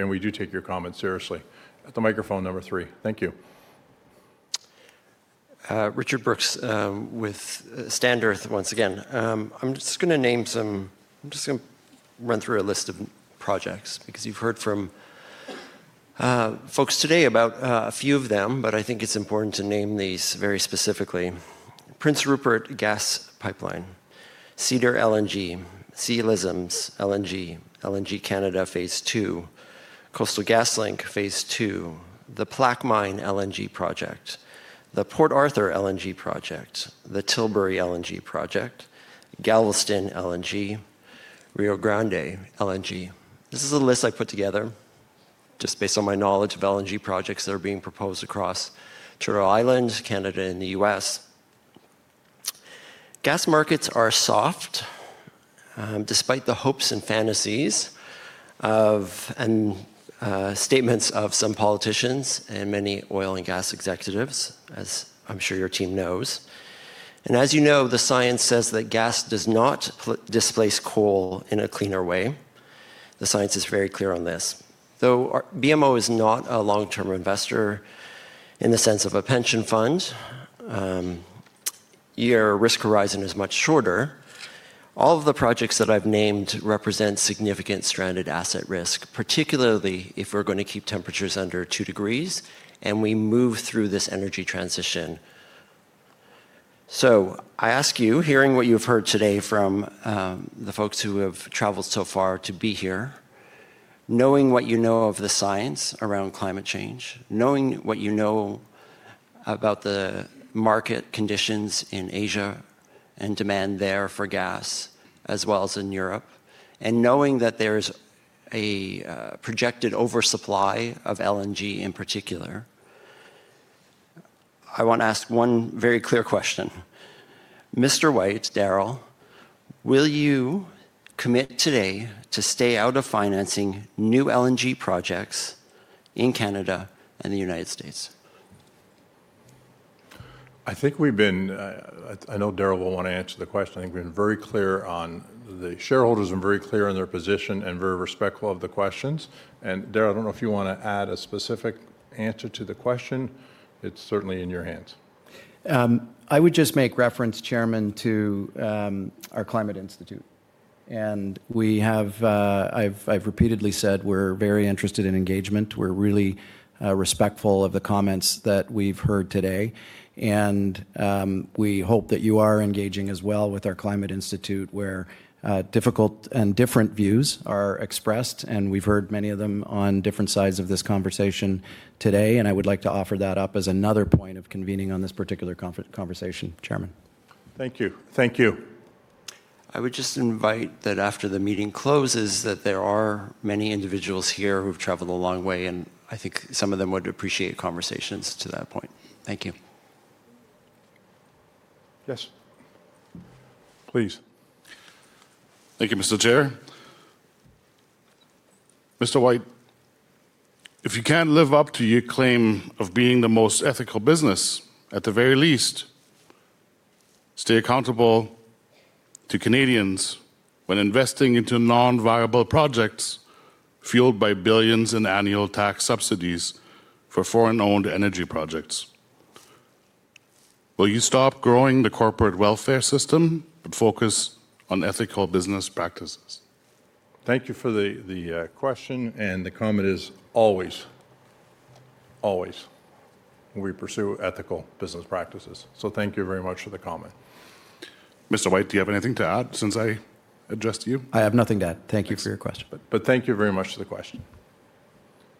[SPEAKER 1] We do take your comments seriously. At the microphone number three. Thank you.
[SPEAKER 13] Richard Brooks with Stand.earth once again. I'm just going to name some—I'm just going to run through a list of projects because you've heard from folks today about a few of them, but I think it's important to name these very specifically. Prince Rupert Gas Pipeline, Cedar LNG, Sea Lisms LNG, LNG Canada phase two, Coastal GasLink phase two, the Plaque Mine LNG Project, the Port Arthur LNG Project, the Tilbury LNG Project, Galveston LNG, Rio Grande LNG. This is a list I put together just based on my knowledge of LNG projects that are being proposed across Turtle Island, Canada, and the U.S. Gas markets are soft despite the hopes and fantasies and statements of some politicians and many oil and gas executives, as I'm sure your team knows. As you know, the science says that gas does not displace coal in a cleaner way. The science is very clear on this. BMO is not a long-term investor in the sense of a pension fund. Your risk horizon is much shorter. All of the projects that I've named represent significant stranded asset risk, particularly if we're going to keep temperatures under two degrees and we move through this energy transition. I ask you, hearing what you've heard today from the folks who have traveled so far to be here, knowing what you know of the science around climate change, knowing what you know about the market conditions in Asia and demand there for gas, as well as in Europe, and knowing that there's a projected oversupply of LNG in particular, I want to ask one very clear question. Mr. White, Daryl, will you commit today to stay out of financing new LNG projects in Canada and the United States?
[SPEAKER 1] I think we've been—I know Darryl will want to answer the question. I think we've been very clear on the shareholders and very clear on their position and very respectful of the questions. Darryl, I don't know if you want to add a specific answer to the question. It's certainly in your hands.
[SPEAKER 4] I would just make reference, Chairman, to our Climate Institute. I have repeatedly said we're very interested in engagement. We're really respectful of the comments that we've heard today. We hope that you are engaging as well with our Climate Institute, where difficult and different views are expressed. We have heard many of them on different sides of this conversation today. I would like to offer that up as another point of convening on this particular conversation, Chairman.
[SPEAKER 1] Thank you. Thank you.
[SPEAKER 4] I would just invite that after the meeting closes, there are many individuals here who've traveled a long way, and I think some of them would appreciate conversations to that point. Thank you.
[SPEAKER 1] Yes. Please. Thank you, Mr. Chair. Mr. White, if you can't live up to your claim of being the most ethical business, at the very least, stay accountable to Canadians when investing into non-viable projects fueled by billions in annual tax subsidies for foreign-owned energy projects. Will you stop growing the corporate welfare system but focus on ethical business practices? Thank you for the question. The comment is always, always we pursue ethical business practices. Thank you very much for the comment. Mr. White, do you have anything to add since I addressed you?
[SPEAKER 4] I have nothing to add. Thank you for your question.
[SPEAKER 1] Thank you very much for the question.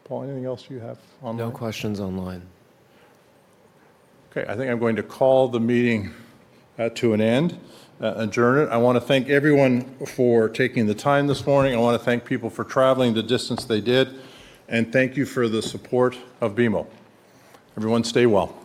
[SPEAKER 1] Paul, anything else you have online?
[SPEAKER 3] No questions online.
[SPEAKER 1] Okay. I think I'm going to call the meeting to an end. Adjourn it. I want to thank everyone for taking the time this morning. I want to thank people for traveling the distance they did. Thank you for the support of BMO. Everyone, stay well.